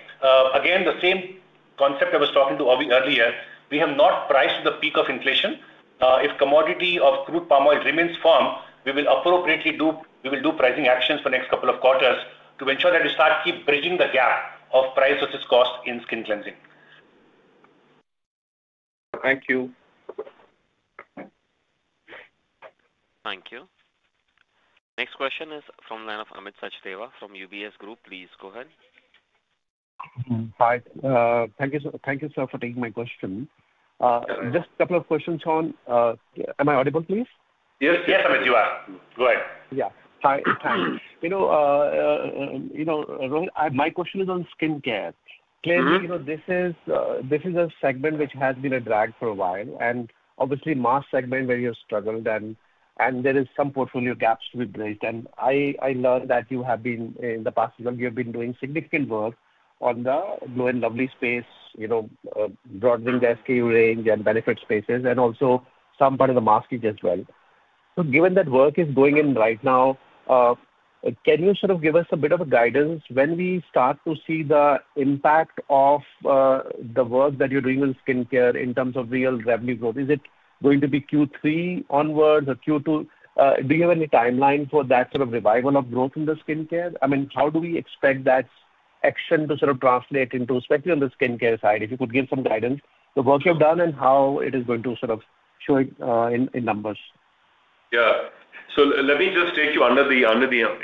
again, the same concept I was talking to earlier, we have not priced to the peak of inflation. If commodity of Crude palm oil remains firm, we will appropriately do pricing actions for the next couple of quarters to ensure that we keep bridging the gap of price versus cost in Skin Cleansing. Thank you. Thank you. Next question is from the line of Amit Sachdeva from UBS Group. Please go ahead. Hi. Thank you, sir, for taking my question. Just a couple of questions. Am I audible, please? Yes, Amit, you are. Go ahead. Yeah. Hi. Thanks. My question is on Skin Care. Clearly, this is a segment which has been a drag for a while, and obviously mass segment where you struggled, and there are some portfolio gaps to be bridged. I learned that you have been in the past, you have been doing significant work on the Glow & Lovely space, broadening the SKU range and benefit spaces, and also some part of the masking as well. Given that work is going in right now, can you sort of give us a bit of guidance when we start to see the impact of the work that you're doing with Skin Care in terms of real revenue growth? Is it going to be Q3 onwards or Q2? Do you have any timeline for that sort of revival of growth in the Skin Care? I mean, how do we expect that action to sort of translate into, especially on the Skin Care side, if you could give some guidance, the work you've done and how it is going to sort of show in numbers? Yeah. Let me just take you under the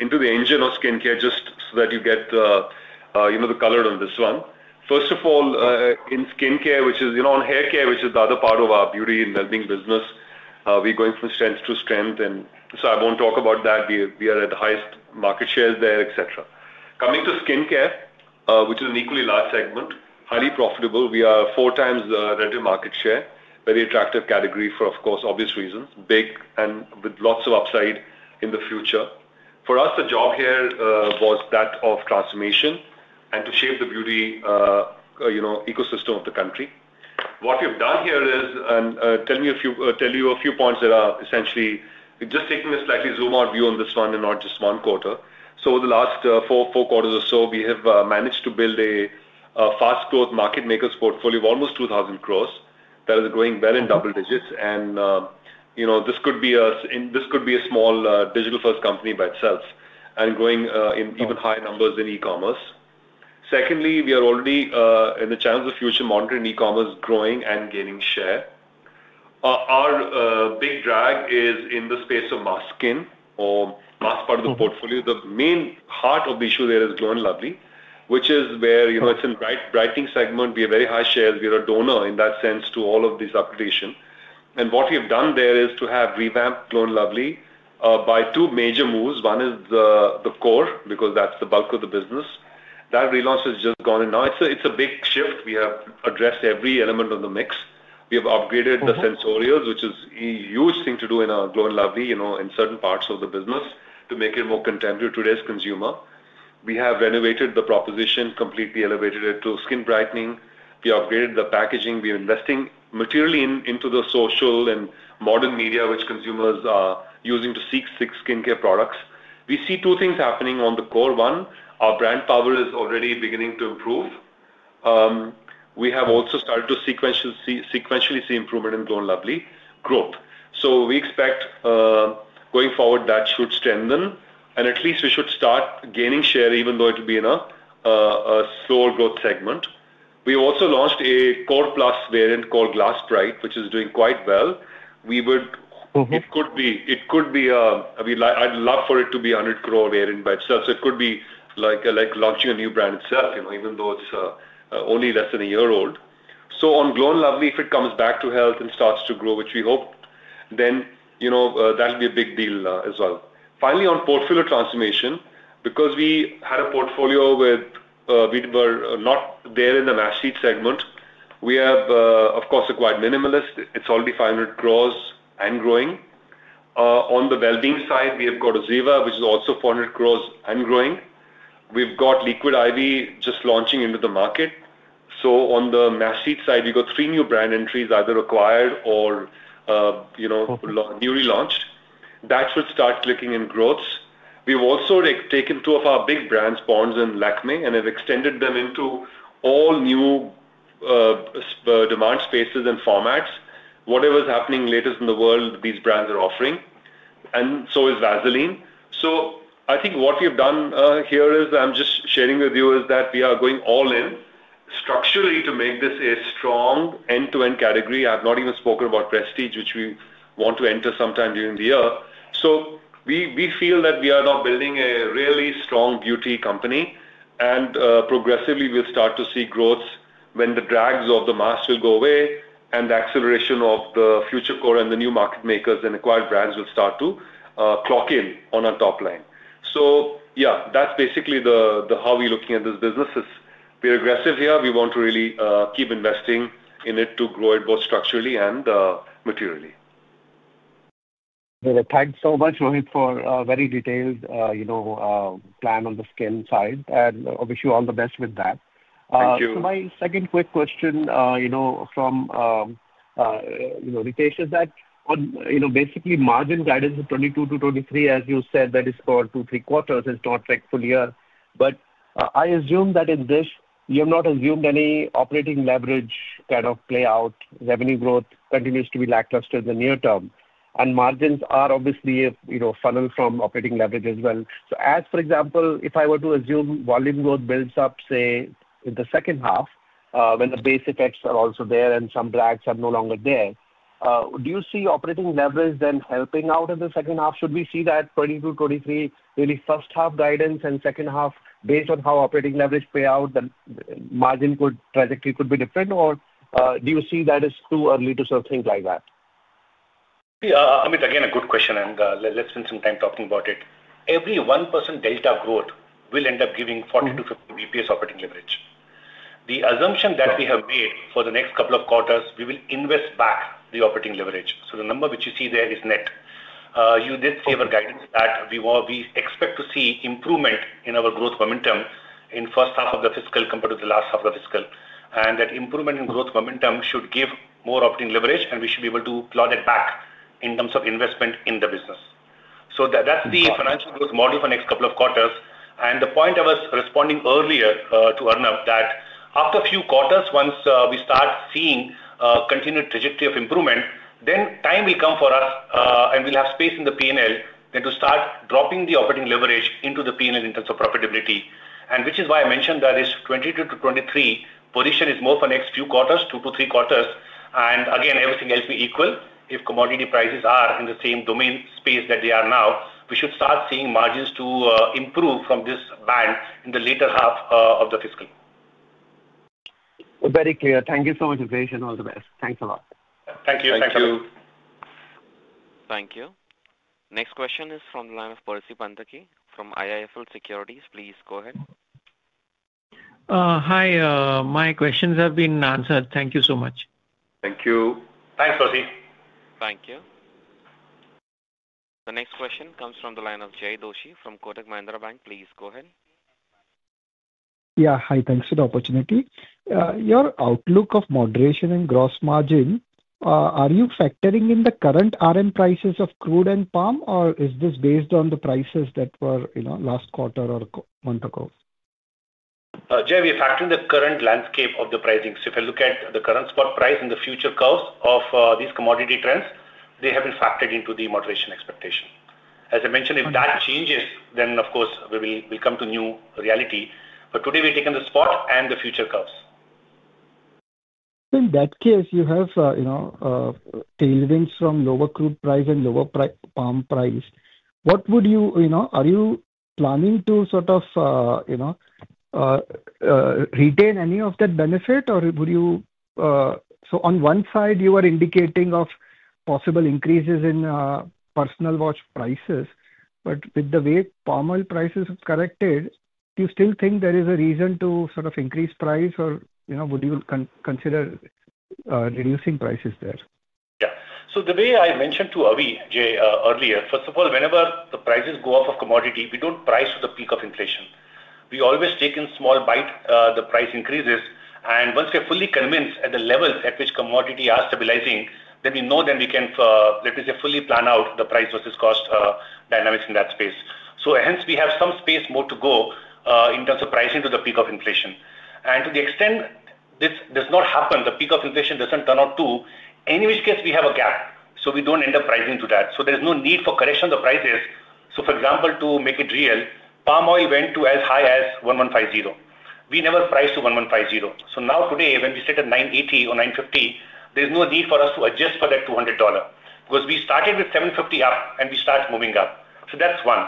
into the engine of Skin Care just so that you get the color on this one. First of all, in Skin Care, which is on Hair Care, which is the other part of our Beauty & Wellbeing business, we're going from strength to strength. I won't talk about that. We are at the highest market share there, etc. Coming to Skin Care, which is an equally large segment, highly profitable, we are 4x the rental market share, very attractive category for, of course, obvious reasons, big and with lots of upside in the future. For us, the job here was that of transformation and to shape the beauty ecosystem of the country. What we've done here is, and tell you a few points that are essentially just taking a slightly zoom-out view on this one and not just one quarter. Over the last four quarters or so, we have managed to build a fast-growth Market Makers portfolio of almost 2,000 crore that is growing well in double digits. This could be a small digital-first company by itself and growing in even higher numbers in e-commerce. Secondly, we are already in the channels of future monitoring e-commerce growing and gaining share. Our big drag is in the space of masking or mask part of the portfolio. The main heart of the issue there is Glow & Lovely, which is where it's in the brightening segment. We have very high shares. We are a donor in that sense to all of this application. What we have done there is to have revamped Glow & Lovely by two major moves. One is the Core because that is the bulk of the business. That relaunch has just gone in now. It is a big shift. We have addressed every element of the mix. We have upgraded the sensorials, which is a huge thing to do in our Glow & Lovely in certain parts of the business to make it more contemporary to today's consumer. We have renovated the proposition, completely elevated it to skin brightening. We upgraded the packaging. We are investing materially into the social and modern media which consumers are using to seek Skin Care products. We see two things happening on the Core. One, our brand power is already beginning to improve. We have also started to sequentially see improvement in Glow & Lovely growth. We expect going forward that should strengthen, and at least we should start gaining share even though it will be in a slower growth segment. We also launched a Core plus variant called Glass Bright, which is doing quite well. I would love for it to be a 100 crore variant by itself. It could be like launching a new brand itself, even though it is only less than a year old. On Glow & Lovely, if it comes back to health and starts to grow, which we hope, that will be a big deal as well. Finally, on portfolio transformation, because we had a portfolio where we were not there in the mass sheet segment, we have, of course, acquired Minimalist. It is already 500 million and growing. On the wellbeing side, we have got Oziva, which is also 400 crore and growing. We've got Liquid I.V. just launching into the market. On the mass sheet side, we've got three new brand entries, either acquired or newly launched. That should start clicking in growths. We've also taken two of our big brands, Ponds and Lakmé, and have extended them into all new demand spaces and formats, whatever is happening latest in the world these brands are offering. So is Vaseline. I think what we have done here is I'm just sharing with you is that we are going all in structurally to make this a strong end-to-end category. I have not even spoken about Prestige, which we want to enter sometime during the year. We feel that we are now building a really strong beauty company. Progressively, we'll start to see growth when the drags of the mass will go away and the acceleration of the Future Core and the new Market Makers and acquired brands will start to clock in on our top line. Yeah, that's basically how we're looking at this business. We're aggressive here. We want to really keep investing in it to grow it both structurally and materially. Thanks so much. We're looking for a very detailed plan on the skin side. I wish you all the best with that. Thank you. My second quick question from Ritesh is that basically margin guidance of 22%-23%, as you said, that is called two, three quarters. It's not like full year. I assume that in this, you have not assumed any operating leverage kind of play out. Revenue growth continues to be lackluster in the near term. Margins are obviously funneled from operating leverage as well. For example, if I were to assume volume growth builds up, say, in the second half when the base effects are also there and some drags are no longer there, do you see operating leverage then helping out in the second half? Should we see that 22%-23%, really first half guidance and second half based on how operating leverage payout, the margin trajectory could be different? Do you see that it's too early to sort of think like that? Yeah. Amit, again, a good question. Let's spend some time talking about it. Every 1% delta growth will end up giving 40-50 basis points operating leverage. The assumption that we have made for the next couple of quarters, we will invest back the operating leverage. The number which you see there is net. This gave a guidance that we expect to see improvement in our growth momentum in the first half of the fiscal compared to the last half of the fiscal. That improvement in growth momentum should give more operating leverage, and we should be able to plot it back in terms of investment in the business. That is the financial growth model for the next couple of quarters. The point I was responding earlier to Arnab, that after a few quarters, once we start seeing a continued trajectory of improvement, then time will come for us, and we'll have space in the P&L then to start dropping the operating leverage into the P&L in terms of profitability. That is why I mentioned that this 22%-23% position is more for next few quarters, two to three quarters. Again, everything else will be equal. If commodity prices are in the same domain space that they are now, we should start seeing margins improve from this band in the later half of the fiscal. Very clear. Thank you so much, Ritesh, and all the best. Thanks a lot. Thank you. Thank you. Thank you. Next question is from the line of Percy Panthaki from IIFL Securities. Please go ahead. Hi. My questions have been answered. Thank you so much. Thank you. Thanks, Percy. Thank you. The next question comes from the line of Jay Doshi from Kotak Mahindra Bank. Please go ahead. Yeah. Hi. Thanks for the opportunity. Your outlook of moderation and gross margin, are you factoring in the current RM prices of Crude and Palm, or is this based on the prices that were last quarter or a month ago? Jay, we factor in the current landscape of the pricing. If I look at the current spot price and the future curves of these commodity trends, they have been factored into the moderation expectation. As I mentioned, if that changes, then of course, we'll come to new reality. Today, we're taking the spot and the future curves. In that case, you have tailwinds from lower Crude price and lower Palm price. What would you—are you planning to sort of retain any of that benefit, or would you—on one side, you are indicating possible increases in personal wash prices. With the way palm oil prices have corrected, do you still think there is a reason to sort of increase price, or would you consider reducing prices there? Yeah. The way I mentioned to Avi, Jay, earlier, first of all, whenever the prices go off of commodity, we do not price to the peak of inflation. We always take in small bite the price increases. Once we are fully convinced at the levels at which commodity are stabilizing, then we know that we can, let me say, fully plan out the price versus cost dynamics in that space. Hence, we have some space more to go in terms of pricing to the peak of inflation. To the extent this does not happen, the peak of inflation does not turn out to, in which case we have a gap. We do not end up pricing to that. There is no need for correction of the prices. For example, to make it real, Palm oil went to as high as $1,150. We never priced to $1,150. Now today, when we sit at $980 or $950, there's no need for us to adjust for that $200 because we started with $750 up, and we start moving up. That's one.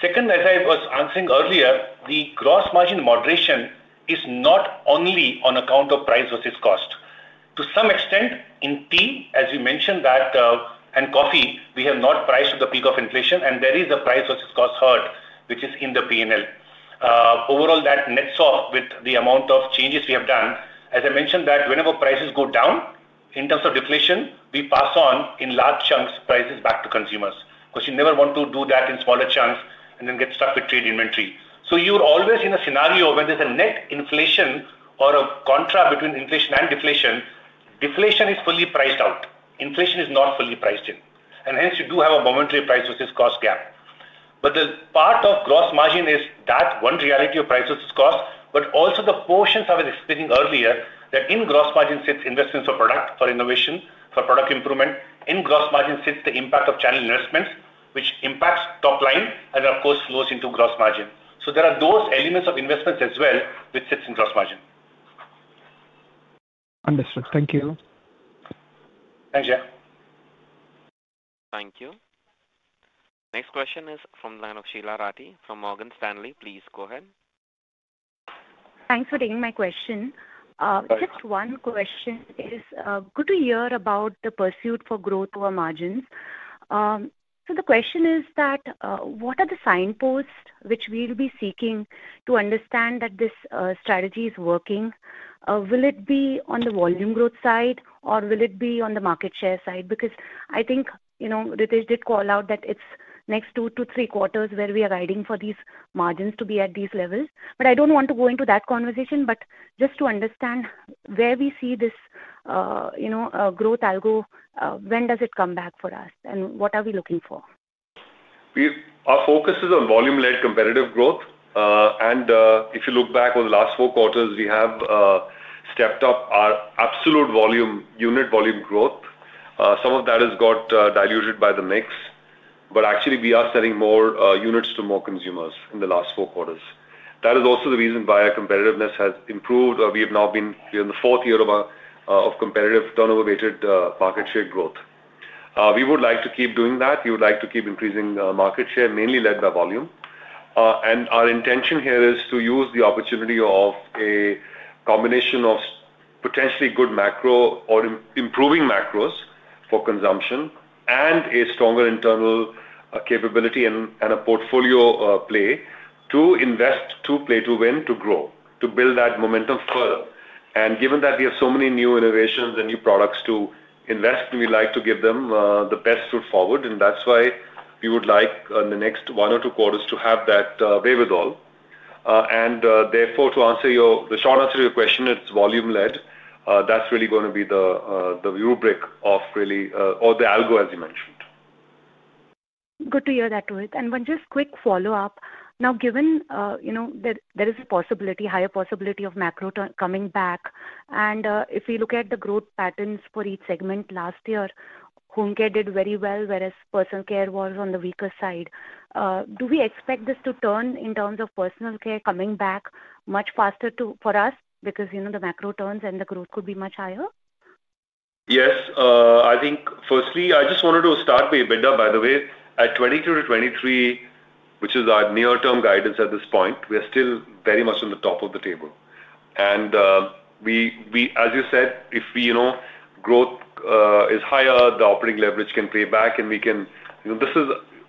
Second, as I was answering earlier, the gross margin moderation is not only on account of price versus cost. To some extent, in Tea, as you mentioned that, and Coffee, we have not priced to the peak of inflation, and there is a price versus cost hurdle, which is in the P&L. Overall, that nets off with the amount of changes we have done. As I mentioned, whenever prices go down in terms of deflation, we pass on in large chunks prices back to consumers because you never want to do that in smaller chunks and then get stuck with trade inventory. You're always in a scenario where there's a net inflation or a contra between inflation and deflation. Deflation is fully priced out. Inflation is not fully priced in. Hence, you do have a momentary price versus cost gap. The part of gross margin is that one reality of price versus cost, but also the portions I was explaining earlier that in gross margin sits investments for product, for innovation, for product improvement. In gross margin sits the impact of channel investments, which impacts top line and, of course, flows into gross margin. There are those elements of investments as well which sits in gross margin. Understood. Thank you. Thanks, Jay. Thank you. Next question is from the line of Sheela Rathi from Morgan Stanley. Please go ahead. Thanks for taking my question. Just one question, it is good to hear about the pursuit for growth or margins. The question is that what are the signposts which we'll be seeking to understand that this strategy is working? Will it be on the volume growth side, or will it be on the market share side? I think Ritesh did call out that it's next two to three quarters where we are riding for these margins to be at these levels. I don't want to go into that conversation. Just to understand where we see this growth algo, when does it come back for us, and what are we looking for? Our focus is on volume-led competitive growth. If you look back over the last four quarters, we have stepped up our absolute unit volume growth. Some of that has got diluted by the mix. Actually, we are selling more units to more consumers in the last four quarters. That is also the reason why our competitiveness has improved. We have now been in the fourth year of competitive turnover-weighted market share growth. We would like to keep doing that. We would like to keep increasing market share, mainly led by volume. Our intention here is to use the opportunity of a combination of potentially good macro or improving macros for consumption and a stronger internal capability and a portfolio play to invest, to play to win, to grow, to build that momentum further. Given that we have so many new innovations and new products to invest, we like to give them the best foot forward. That is why we would like in the next one or two quarters to have that way with all. Therefore, to answer the short answer to your question, it's volume-led. That's really going to be the rubric of really or the algo, as you mentioned. Good to hear that, Rohit. One just quick follow-up. Now, given that there is a possibility, higher possibility of macro coming back, and if we look at the growth patterns for each segment last year, Home Care did very well, whereas Personal Care was on the weaker side, do we expect this to turn in terms of Personal Care coming back much faster for us because the macro turns and the growth could be much higher? Yes. I think, firstly, I just wanted to start with EBITDA, by the way. At 22%-23%, which is our near-term guidance at this point, we are still very much on the top of the table. As you said, if growth is higher, the operating leverage can pay back, and we can—this is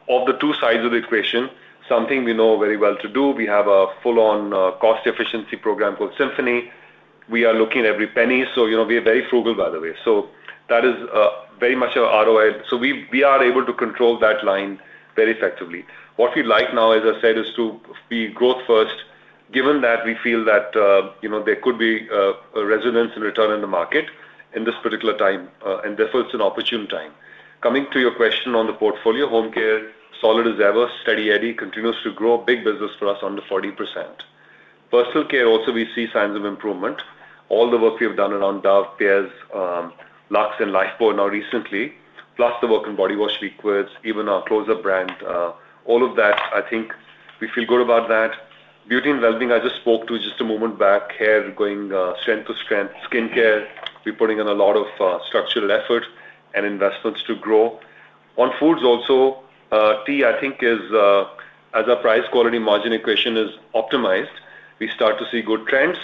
of the two sides of the equation, something we know very well to do. We have a full-on cost efficiency program called Symphony. We are looking at every penny. We are very frugal, by the way. That is very much our ROI. We are able to control that line very effectively. What we'd like now, as I said, is to be growth first, given that we feel that there could be a resonance and return in the market in this particular time. Therefore, it's an opportune time. Coming to your question on the portfolio, Home Care is solid as ever. Steady Eddie, continues to grow, big business for us under 40%. Personal Care also, we see signs of improvement. All the work we have done around Dove, Pears, Lux, and Lifebuoy now recently, plus the work in body wash, liquids, even our Close-Up brand, all of that, I think we feel good about that. Beauty & Wellbeing, I just spoke to just a moment back, hair going strength to strength, Skin Care, we're putting in a lot of structural effort and investments to grow. On Foods also, Tea, I think as our price-quality margin equation is optimized, we start to see good trends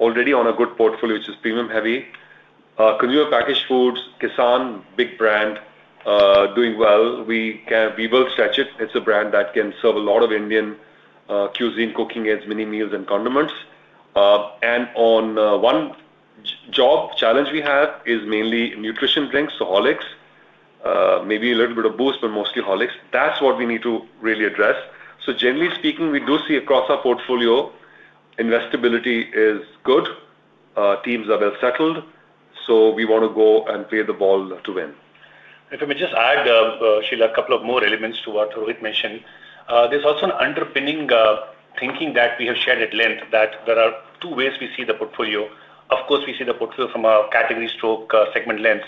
already on a good portfolio, which is premium-heavy. Consumer Packaged Foods, Kissan, big brand, doing well. We will stretch it. It's a brand that can serve a lot of Indian cuisine, cooking as mini meals and condiments. One job challenge we have is mainly Nutrition Drinks, so Horlicks. Maybe a little bit of Boost, but mostly Horlicks. That's what we need to really address. Generally speaking, we do see across our portfolio, investability is good. Teams are well settled. We want to go and play the ball to win. If I may just add, Sheela, a couple of more elements to what Rohit mentioned. There is also an underpinning thinking that we have shared at length that there are two ways we see the portfolio. Of course, we see the portfolio from our category stroke segment length.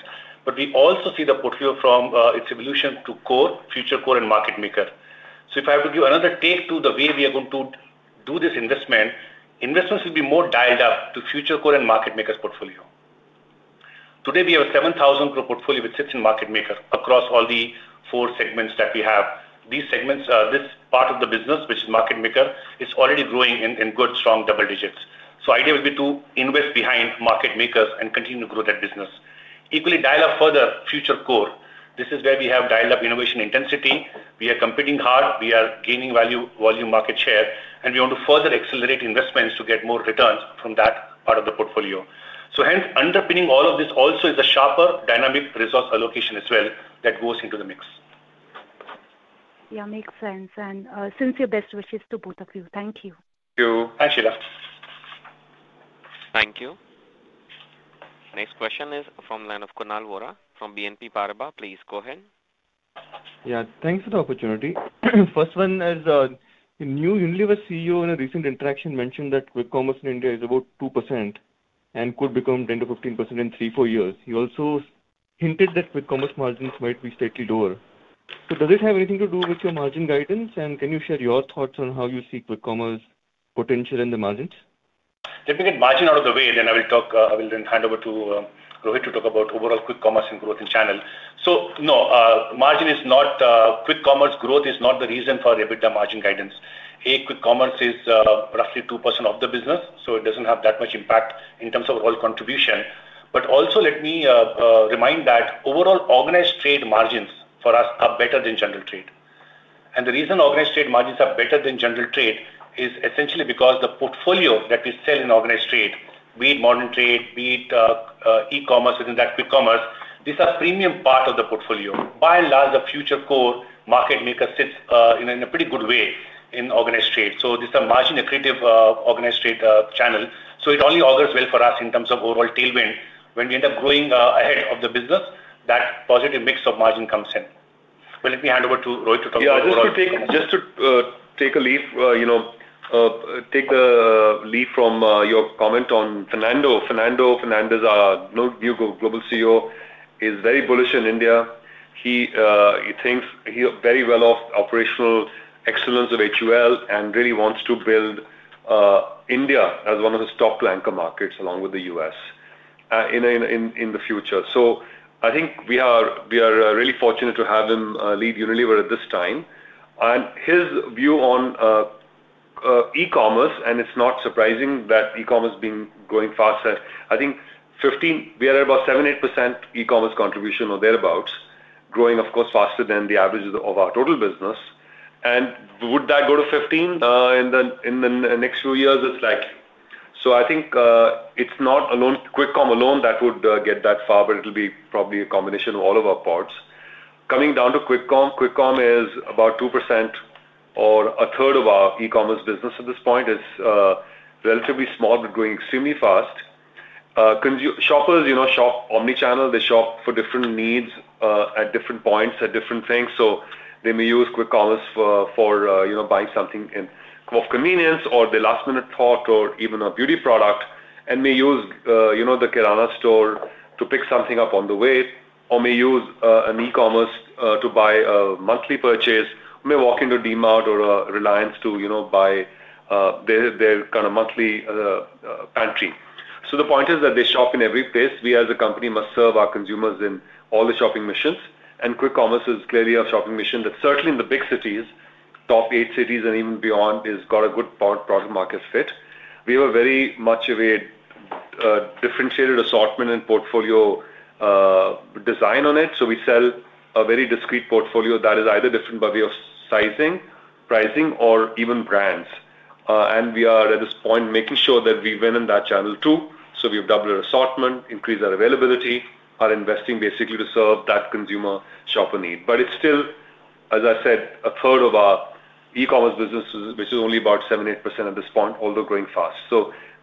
We also see the portfolio from its evolution to Core, Future Core, and market maker. If I have to give another take to the way we are going to do this investment, investments will be more dialed up to Future Core and Market Makers portfolio. Today, we have a 7,000 crore portfolio which sits in Market Makers across all the four segments that we have. This part of the business, which is Market Maker, is already growing in good, strong double digits. The idea would be to invest behind Market Makers and continue to grow that business. Equally dialed up further, Future Core. This is where we have dialed up innovation intensity. We are competing hard. We are gaining value, volume, market share. We want to further accelerate investments to get more returns from that part of the portfolio. Hence, underpinning all of this also is a sharper dynamic resource allocation as well that goes into the mix. Yeah, makes sense. And sends you best wishes to both of you. Thank you. Thank you. Thanks, Sheela. Thank you. Next question is from the line of Kunal Vora from BNP Paribas. Please go ahead. Yeah. Thanks for the opportunity. First one is a new Unilever CEO in a recent interaction mentioned that quick commerce in India is about 2% and could become 10%-15% in three, four years. He also hinted that quick commerce margins might be slightly lower. Does it have anything to do with your margin guidance? Can you share your thoughts on how you see quick commerce potential in the margins? Let me get margin out of the way, then I will hand over to Rohit to talk about overall quick commerce and growth in channel. No, margin is not, quick commerce growth is not the reason for EBITDA margin guidance. Quick commerce is roughly 2% of the business, so it does not have that much impact in terms of overall contribution. Also, let me remind that overall organized trade margins for us are better than general trade. The reason organized trade margins are better than general trade is essentially because the portfolio that we sell in organized trade, be it modern trade, be it e-commerce within that quick commerce, these are premium part of the portfolio. By and large, the Future Core, Market Maker sits in a pretty good way in organized trade. This is a margin-accretive organized trade channel. It only augurs well for us in terms of overall tailwind. When we end up growing ahead of the business, that positive mix of margin comes in. Let me hand over to Rohit to talk about overall quick commerce. Yeah, just to take a leap, take the leap from your comment on Fernando. Fernando Fernandez, new Global CEO, is very bullish in India. He thinks he's very well off operational excellence of HUL and really wants to build India as one of his top two anchor markets along with the U.S. in the future. I think we are really fortunate to have him lead Unilever at this time. His view on e-commerce, and it's not surprising that e-commerce has been going faster. I think we are at about 7%-8% e-commerce contribution or thereabouts, growing, of course, faster than the average of our total business. Would that go to 15% in the next few years? It's likely. I think it's not q-comm alone that would get that far, but it'll be probably a combination of all of our parts. Coming down to q-comm, q-comm is about 2% or a third of our e-commerce business at this point. It's relatively small, but growing extremely fast. Shoppers shop omnichannel. They shop for different needs at different points at different things. They may use quick commerce for buying something of convenience or their last-minute thought or even a beauty product and may use the Kirana store to pick something up on the way or may use an e-commerce to buy a monthly purchase or may walk into DMart or a Reliance to buy their kind of monthly pantry. The point is that they shop in every place. We, as a company, must serve our consumers in all the shopping missions. Quick commerce is clearly a shopping mission that certainly in the big cities, top eight cities and even beyond, has got a good product-market fit. We have a very much of a differentiated assortment and portfolio design on it. We sell a very discreet portfolio that is either different by way of sizing, pricing, or even brands. We are, at this point, making sure that we win in that channel too. We have doubled our assortment, increased our availability, and are investing basically to serve that consumer shopper need. It is still, as I said, a third of our e-commerce business, which is only about 7%-8% at this point, although growing fast.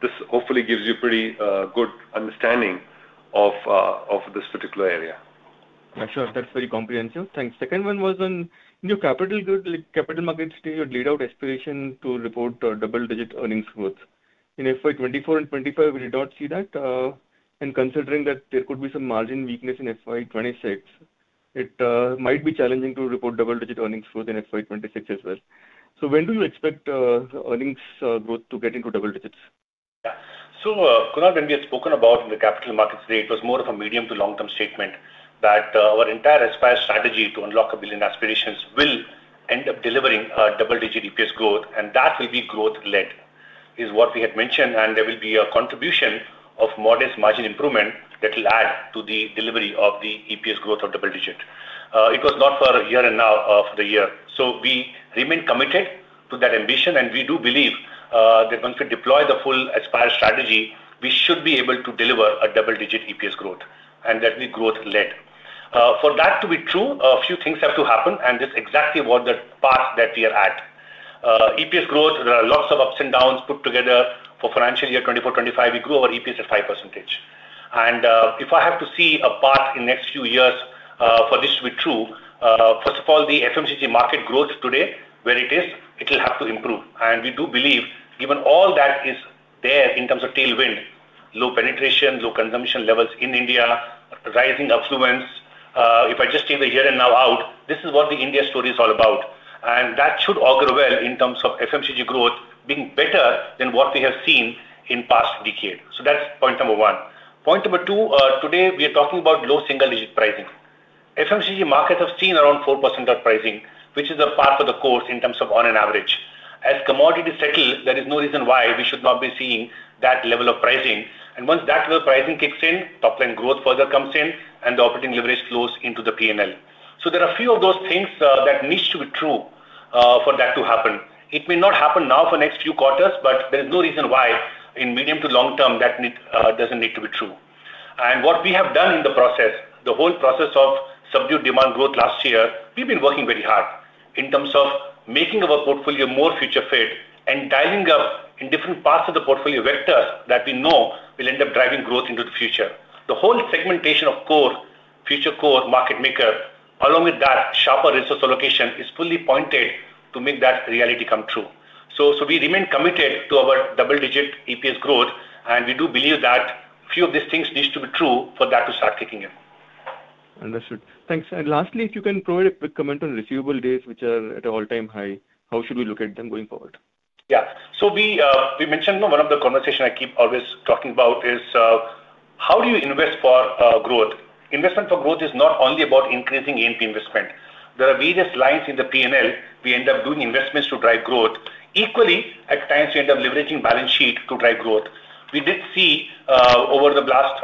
This hopefully gives you a pretty good understanding of this particular area. I am sure that is very comprehensive. Thanks. The second one was on new capital goods. Capital markets today would lead out aspiration to report double-digit earnings growth. In FY 2024 and 2025, we did not see that. Considering that there could be some margin weakness in FY 2026, it might be challenging to report double-digit earnings growth in FY 2026 as well. When do you expect earnings growth to get into double digits? Yeah. Kunal, when we had spoken about in the capital markets today, it was more of a medium to long-term statement that our entire ASPIRE strategy to unlock a billion aspirations will end up delivering double-digit EPS growth. That will be growth-led is what we had mentioned. There will be a contribution of modest margin improvement that will add to the delivery of the EPS growth of double-digit. It was not for a year and now for the year. We remain committed to that ambition. We do believe that once we deploy the full ASPIRE strategy, we should be able to deliver a double-digit EPS growth and that will be growth-led. For that to be true, a few things have to happen. This is exactly the path that we are at. EPS growth, there are lots of ups and downs put together for financial year 2024-2025. We grew our EPS at 5%. If I have to see a path in the next few years for this to be true, first of all, the FMCG market growth today, where it is, it will have to improve. We do believe, given all that is there in terms of tailwind, low penetration, low consumption levels in India, rising affluence, if I just take the year and now out, this is what the India story is all about. That should augur well in terms of FMCG growth being better than what we have seen in past decades. That is point number one. Point number two, today we are talking about low single-digit pricing. FMCG markets have seen around 4% of pricing, which is a part of the course in terms of on an average. As commodities settle, there is no reason why we should not be seeing that level of pricing. Once that level of pricing kicks in, top-line growth further comes in, and the operating leverage flows into the P&L. There are a few of those things that need to be true for that to happen. It may not happen now for the next few quarters, but there is no reason why in medium to long-term that does not need to be true. What we have done in the process, the whole process of subdued demand growth last year, we've been working very hard in terms of making our portfolio more future-fit and dialing up in different parts of the portfolio vectors that we know will end up driving growth into the future. The whole segmentation of Core, Future Core, Market Maker, along with that sharper resource allocation is fully pointed to make that reality come true. We remain committed to our double-digit EPS growth. We do believe that a few of these things need to be true for that to start kicking in. Understood. Thanks. Lastly, if you can provide a quick comment on receivable dates, which are at an all-time high, how should we look at them going forward? Yeah. We mentioned one of the conversations I keep always talking about is how do you invest for growth? Investment for growth is not only about increasing E&P investment. There are various lines in the P&L. We end up doing investments to drive growth. Equally, at times, we end up leveraging balance sheet to drive growth. We did see over the last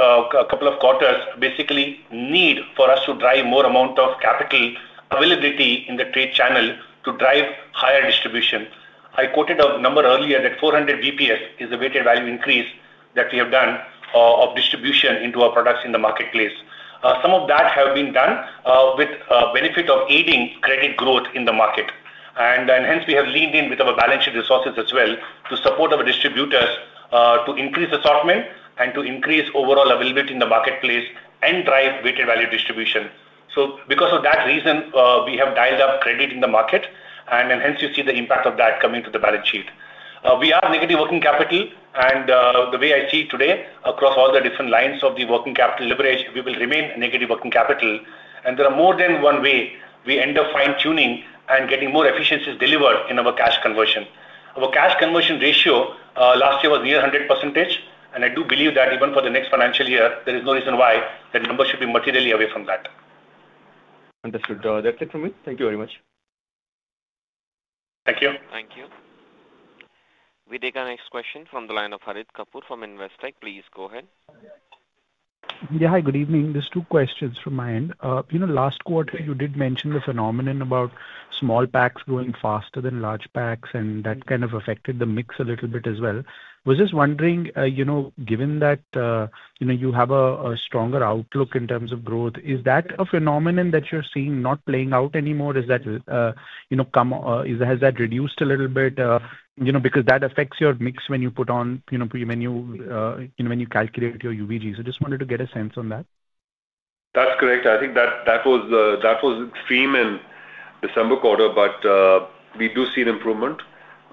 couple of quarters, basically need for us to drive more amount of capital availability in the trade channel to drive higher distribution. I quoted a number earlier that 400 basis points is a weighted value increase that we have done of distribution into our products in the marketplace. Some of that has been done with the benefit of aiding credit growth in the market. We have leaned in with our balance sheet resources as well to support our distributors to increase assortment and to increase overall availability in the marketplace and drive weighted value distribution. Because of that reason, we have dialed up credit in the market. You see the impact of that coming to the balance sheet. We are negative working capital. The way I see it today across all the different lines of the working capital leverage, we will remain negative working capital. There are more than one way we end up fine-tuning and getting more efficiencies delivered in our cash conversion. Our cash conversion ratio last year was near 100%. I do believe that even for the next financial year, there is no reason why that number should be materially away from that. Understood. That's it from me. Thank you very much. Thank you. Thank you. We take our next question from the line of Harit Kapoor from Investec. Please go ahead. Yeah. Hi. Good evening. Just two questions from my end. Last quarter, you did mention the phenomenon about small packs going faster than large packs, and that kind of affected the mix a little bit as well. I was just wondering, given that you have a stronger outlook in terms of growth, is that a phenomenon that you're seeing not playing out anymore? Has that come? Has that reduced a little bit? Because that affects your mix when you put on, when you calculate your UVGs. I just wanted to get a sense on that. That's correct. I think that was extreme in December quarter, but we do see an improvement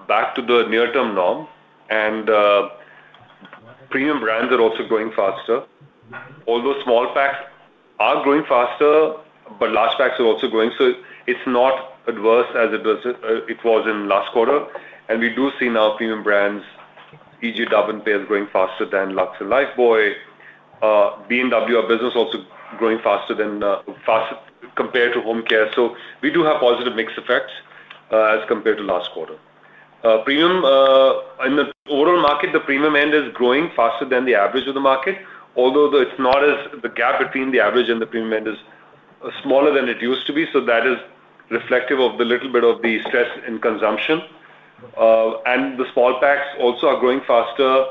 back to the near-term norm. And premium brands are also growing faster. Although small packs are growing faster, large packs are also growing. It is not adverse as it was in the last quarter. We do see now premium brands, e.g., Dove and Pears, growing faster than Lux and Lifebuoy. B&W, our business, is also growing faster compared to Home Care. We do have positive mix effects as compared to last quarter. In the overall market, the premium end is growing faster than the average of the market, although the gap between the average and the premium end is smaller than it used to be. That is reflective of a little bit of the stress in consumption. The small packs also are growing faster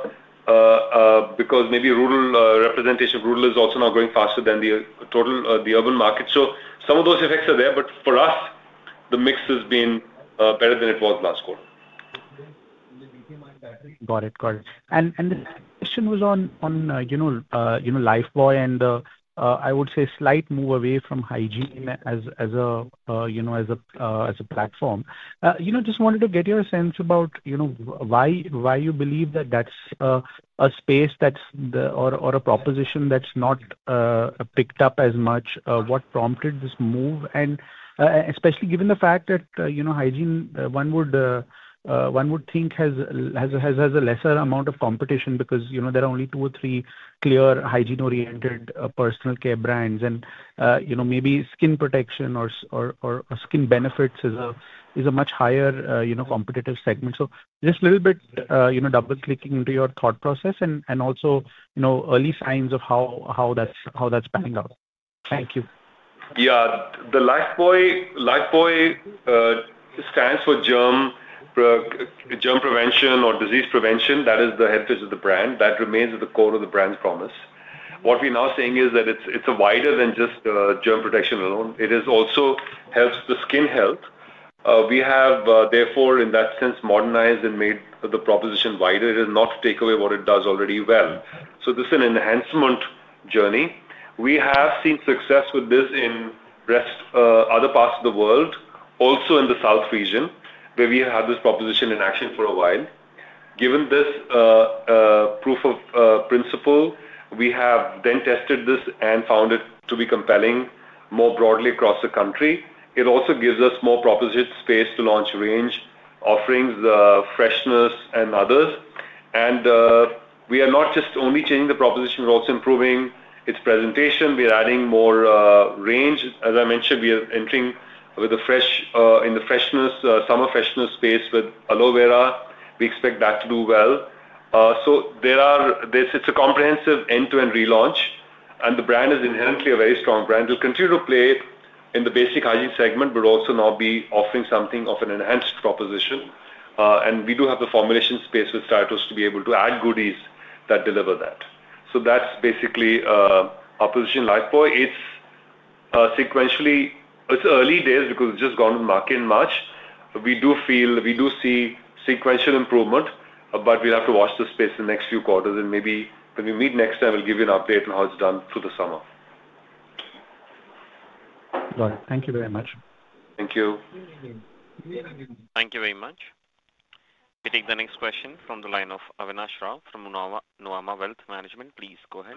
because maybe rural representation of rural is also now growing faster than the urban market. Some of those effects are there. For us, the mix has been better than it was last quarter. Got it. Got it. The question was on Lifebuoy and, I would say, slight move away from hygiene as a platform. Just wanted to get your sense about why you believe that that's a space or a proposition that's not picked up as much. What prompted this move? Especially given the fact that hygiene, one would think, has a lesser amount of competition because there are only two or three clear hygiene-oriented Personal Care brands. Maybe skin protection or skin benefits is a much higher competitive segment. Just a little bit double-clicking into your thought process and also early signs of how that's panning out. Thank you. Yeah. The Lifebuoy stands for germ prevention or disease prevention. That is the heritage of the brand. That remains at the Core of the brand's promise. What we're now saying is that it's wider than just germ protection alone. It also helps the skin health. We have, therefore, in that sense, modernized and made the proposition wider. It is not to take away what it does already well. This is an enhancement journey. We have seen success with this in other parts of the world, also in the South region, where we have had this proposition in action for a while. Given this proof of principle, we have then tested this and found it to be compelling more broadly across the country. It also gives us more proposition space to launch range offerings, freshness, and others. We are not just only changing the proposition. We are also improving its presentation. We are adding more range. As I mentioned, we are entering in the summer freshness space with Aloe Vera. We expect that to do well. It is a comprehensive end-to-end relaunch. The brand is inherently a very strong brand. We'll continue to play in the basic hygiene segment, but also now be offering something of an enhanced proposition. We do have the formulation space with Stratos to be able to add goodies that deliver that. That's basically our position. Lifebuoy, it's sequentially early days because it's just gone to the market in March. We do see sequential improvement, but we'll have to watch the space in the next few quarters. Maybe when we meet next time, we'll give you an update on how it's done through the summer. Got it. Thank you very much. Thank you. Thank you very much. We take the next question from the line of Abneesh Roy from Nuvama Wealth Management. Please go ahead.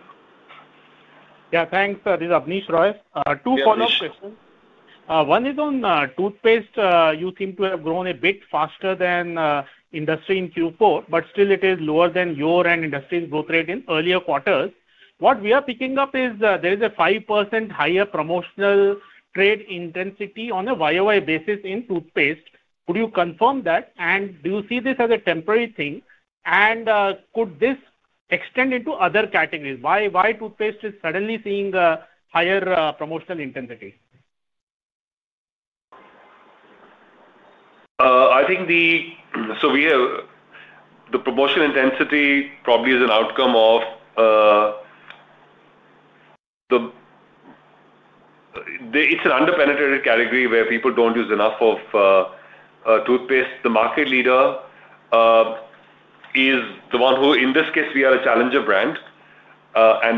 Yeah. Thanks. This is Abneesh. Two follow-up questions. One is on toothpaste. You seem to have grown a bit faster than industry in Q4, but still it is lower than your and industry's growth rate in earlier quarters. What we are picking up is there is a 5% higher promotional trade intensity on a YoY basis in toothpaste. Could you confirm that? Do you see this as a temporary thing? Could this extend into other categories? Why is toothpaste suddenly seeing a higher promotional intensity? I think the promotional intensity probably is an outcome of it's an under-penetrated category where people do not use enough of toothpaste. The market leader is the one who, in this case, we are a challenger brand.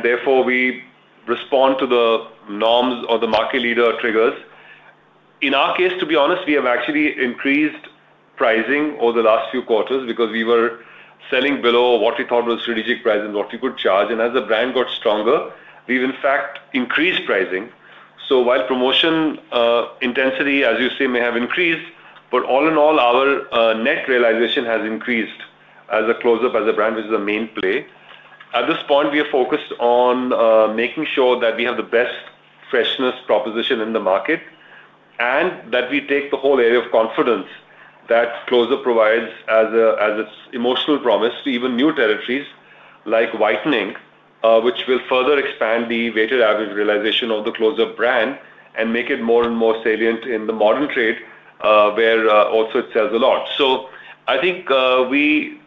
Therefore, we respond to the norms or the market leader triggers. In our case, to be honest, we have actually increased pricing over the last few quarters because we were selling below what we thought was strategic price and what we could charge. As the brand got stronger, we have in fact increased pricing. While promotion intensity, as you say, may have increased, all in all, our net realization has increased as Close-Up as a brand, which is a main play. At this point, we are focused on making sure that we have the best freshness proposition in the market and that we take the whole area of confidence that Close-Up provides as its emotional promise to even new territories like whitening, which will further expand the weighted average realization of the Close-Up brand and make it more and more salient in the modern trade where also it sells a lot. I think we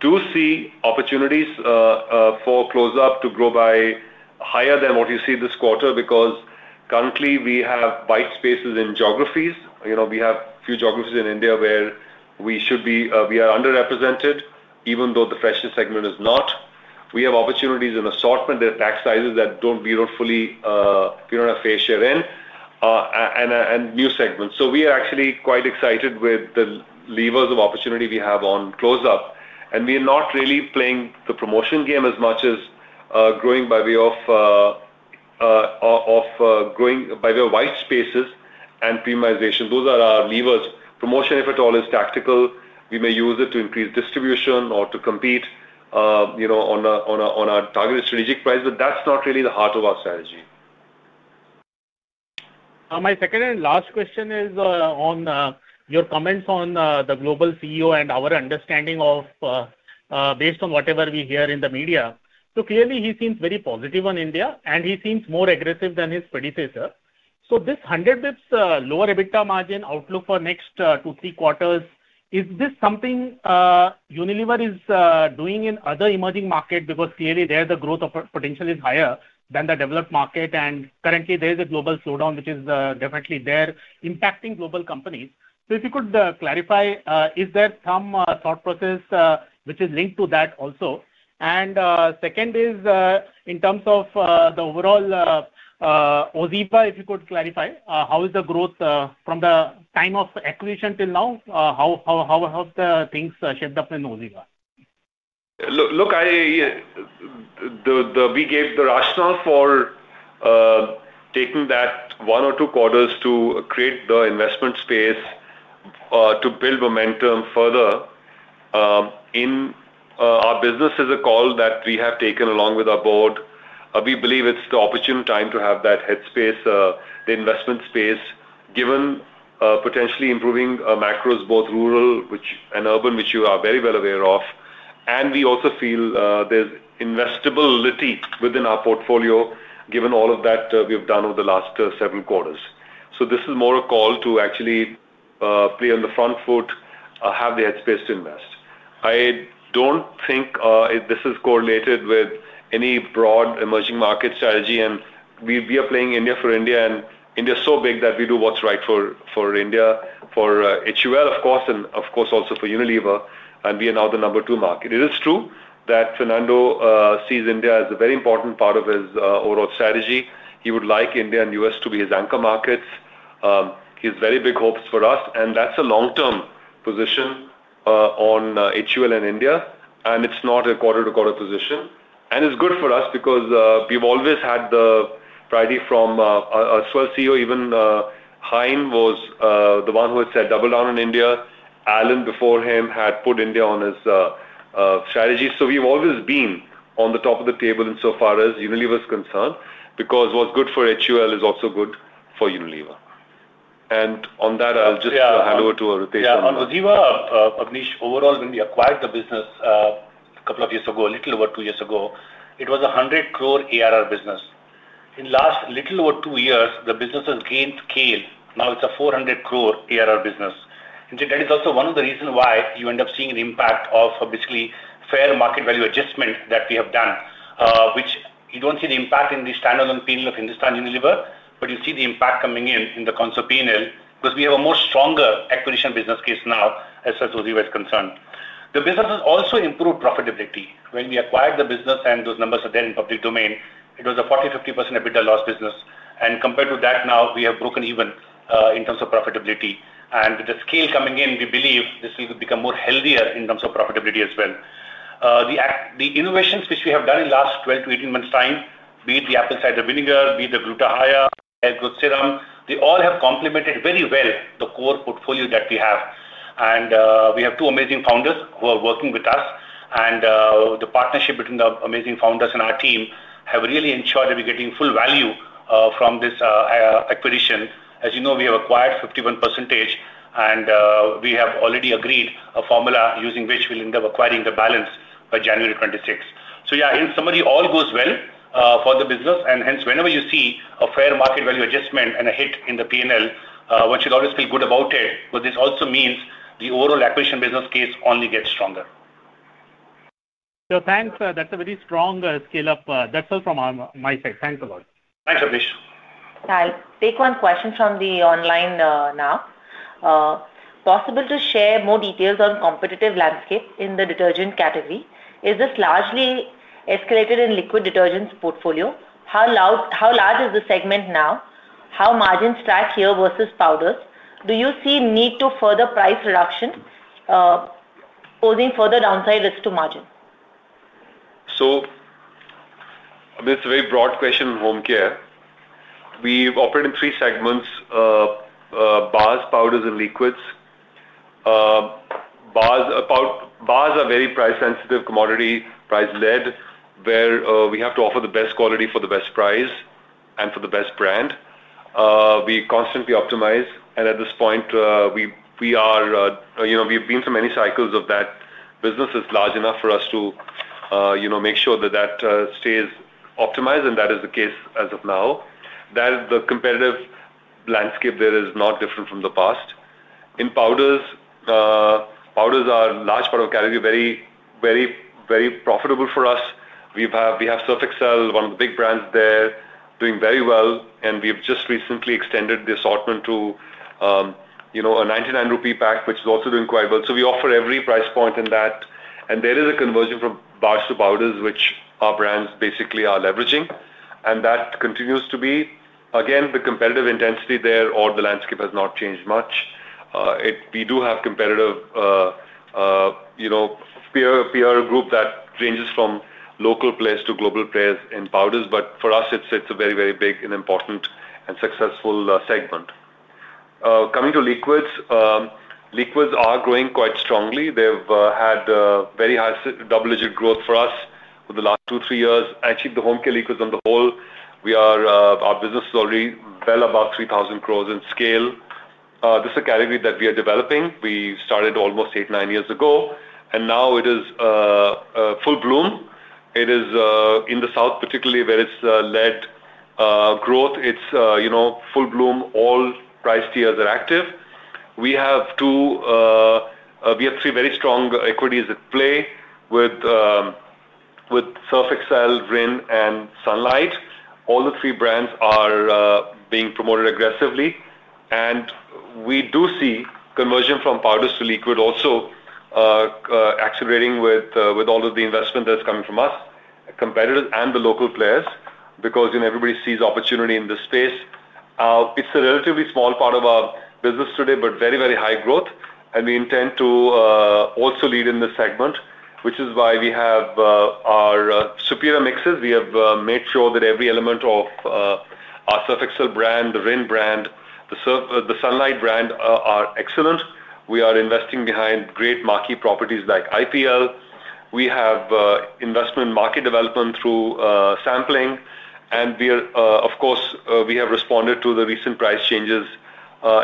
do see opportunities for Close-Up to grow by higher than what you see this quarter because currently, we have white spaces in geographies. We have a few geographies in India where we are underrepresented, even though the freshness segment is not. We have opportunities in assortment. There are tax sizes that we do not fully have fair share in and new segments. We are actually quite excited with the levers of opportunity we have on Close-Up. We are not really playing the promotion game as much as growing by way of white spaces and premiumization. Those are our levers. Promotion, if at all, is tactical. We may use it to increase distribution or to compete on our targeted strategic price, but that is not really the heart of our strategy. My second and last question is on your comments on the Global CEO and our understanding based on whatever we hear in the media. Clearly, he seems very positive on India, and he seems more aggressive than his predecessor. This 100 basis points lower EBITDA margin outlook for the next two to three quarters, is this something Unilever is doing in other emerging markets? Clearly, there the growth potential is higher than the developed market. Currently, there is a global slowdown, which is definitely there impacting global companies. If you could clarify, is there some thought process which is linked to that also? Second is, in terms of the overall OZiva, if you could clarify, how is the growth from the time of acquisition till now? How have things shaped up in OZiva? Look, we gave the rationale for taking that one or two quarters to create the investment space to build momentum further in our business is a call that we have taken along with our board. We believe it's the opportune time to have that headspace, the investment space, given potentially improving macros, both rural and urban, which you are very well aware of. We also feel there's investability within our portfolio, given all of that we've done over the last several quarters. This is more a call to actually play on the front foot, have the headspace to invest. I don't think this is correlated with any broad emerging market strategy. We are playing India for India. India is so big that we do what's right for India, for HUL, of course, and of course, also for Unilever. We are now the number two market. It is true that Fernando sees India as a very important part of his overall strategy. He would like India and US to be his anchor markets. He has very big hopes for us. That's a long-term position on HUL and India. It's not a quarter-to-quarter position. It's good for us because we've always had the priority from as well CEO, even Hein was the one who had said double down on India. Alan before him had put India on his strategy. We've always been on the top of the table insofar as Unilever is concerned because what's good for HUL is also good for Unilever. On that, I'll just hand over to Ritesh on that. Yeah. On OZiva, Abneesh, overall, when we acquired the business a couple of years ago, a little over two years ago, it was a 100 crore ARR business. In the last little over two years, the business has gained scale. Now it's a 400 crore ARR business. That is also one of the reasons why you end up seeing an impact of basically fair market value adjustment that we have done, which you don't see the impact in the standalone P&L of Hindustan Unilever, but you see the impact coming in in the console P&L because we have a more stronger acquisition business case now as far as OZiva is concerned. The business has also improved profitability. When we acquired the business and those numbers are there in public domain, it was a 40%-50% EBITDA loss business. Compared to that, now we have broken even in terms of profitability. With the scale coming in, we believe this will become more healthier in terms of profitability as well. The innovations which we have done in the last 12-18 months' time, be it the apple cider vinegar, be it the Gluta Hya, the hair growth serum, they all have complemented very well the Core portfolio that we have. We have two amazing founders who are working with us. The partnership between the amazing founders and our team have really ensured that we're getting full value from this acquisition. As you know, we have acquired 51%, and we have already agreed a formula using which we'll end up acquiring the balance by January 2026. In summary, all goes well for the business. Hence, whenever you see a fair market value adjustment and a hit in the P&L, one should always feel good about it because this also means the overall acquisition business case only gets stronger. Thanks. That's a very strong scale-up. That's all from my side. Thanks a lot. Thanks, Abneesh. I'll take one question from the online now. Possible to share more details on competitive landscape in the detergent category? Is this largely escalated in liquid detergents portfolio? How large is the segment now? How margins stack here versus powders? Do you see need to further price reduction posing further downside risk to margin? It is a very broad question in Home Care. We operate in three segments: bars, powders, and liquids. Bars are very price-sensitive, commodity price-led, where we have to offer the best quality for the best price and for the best brand. We constantly optimize. At this point, we have been through many cycles of that. Business is large enough for us to make sure that that stays optimized, and that is the case as of now. The competitive landscape there is not different from the past. In powders, powders are a large part of the category, very, very profitable for us. We have Surf Excel, one of the big brands there, doing very well. We have just recently extended the assortment to an 99 rupee pack, which is also doing quite well. We offer every price point in that. There is a conversion from bars to powders, which our brands basically are leveraging. That continues to be. The competitive intensity there or the landscape has not changed much. We do have competitive peer group that ranges from local players to global players in powders. For us, it is a very, very big and important and successful segment. Coming to liquids, liquids are growing quite strongly. They have had very high double-digit growth for us for the last two to three years. Actually, the Home Care liquids on the whole, our business is already well above 3,000 crore in scale. This is a category that we are developing. We started almost eight, nine years ago. Now it is full bloom. It is in the south, particularly where it has led growth. It is full bloom. All price tiers are active. We have three very strong equities at play with Surf Excel, Rin, and Sunlight. All the three brands are being promoted aggressively. We do see conversion from powders to liquid also accelerating with all of the investment that is coming from us, competitors, and the local players because everybody sees opportunity in this space. It is a relatively small part of our business today, but very, very high growth. We intend to also lead in this segment, which is why we have our superior mixes. We have made sure that every element of our Surf Excel Brand, the Rin Brand, the Sunlight Brand are excellent. We are investing behind great marquee properties like IPL. We have investment market development through sampling. Of course, we have responded to the recent price changes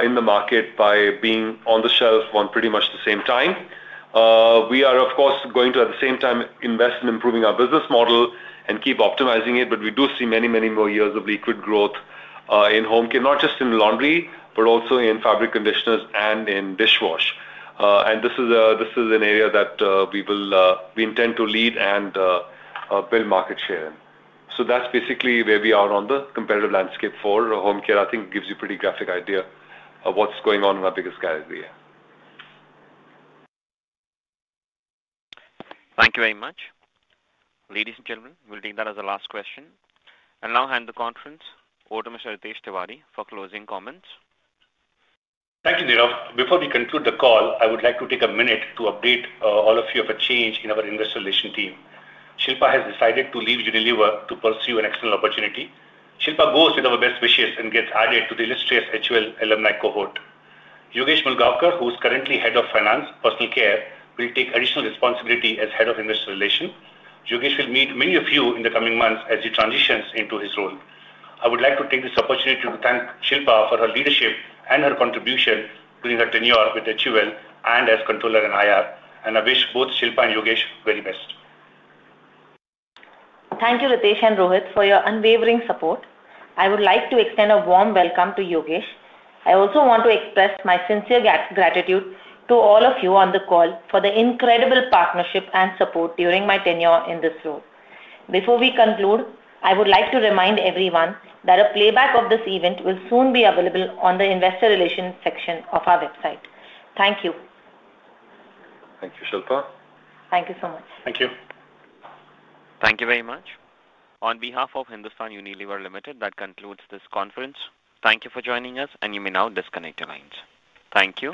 in the market by being on the shelf on pretty much the same time. We are, of course, going to, at the same time, invest in improving our business model and keep optimizing it. We do see many, many more years of liquid growth in Home Care, not just in laundry, but also in fabric conditioners and in dishwash. This is an area that we intend to lead and build market share in. That is basically where we are on the competitive landscape for Home Care. I think it gives you a pretty graphic idea of what's going on in our biggest category. Thank you very much. Ladies and gentlemen, we'll take that as a last question. Now I'll hand the conference over to Mr. Ritesh Tiwari for closing comments. Thank you, Neerav. Before we conclude the call, I would like to take a minute to update all of you of a change in our investor relation team. Shilpa has decided to leave Unilever to pursue an external opportunity. Shilpa goes with our best wishes and gets added to the illustrious HUL alumni cohort. Yogesh Mulgaonkar, who is currently Head of Finance, Personal Care, will take additional responsibility as Head of Investor Relation. Yogesh will meet many of you in the coming months as he transitions into his role. I would like to take this opportunity to thank Shilpa for her leadership and her contribution during her tenure with HUL and as Controller and IR. I wish both Shilpa and Yogesh very best. Thank you, Ritesh and Rohit, for your unwavering support. I would like to extend a warm welcome to Yogesh. I also want to express my sincere gratitude to all of you on the call for the incredible partnership and support during my tenure in this role. Before we conclude, I would like to remind everyone that a playback of this event will soon be available on the investor relation section of our website. Thank you. Thank you, Shilpa. Thank you so much. Thank you. Thank you very much. On behalf of Hindustan Unilever Limited, that concludes this conference. Thank you for joining us, and you may now disconnect your lines. Thank you.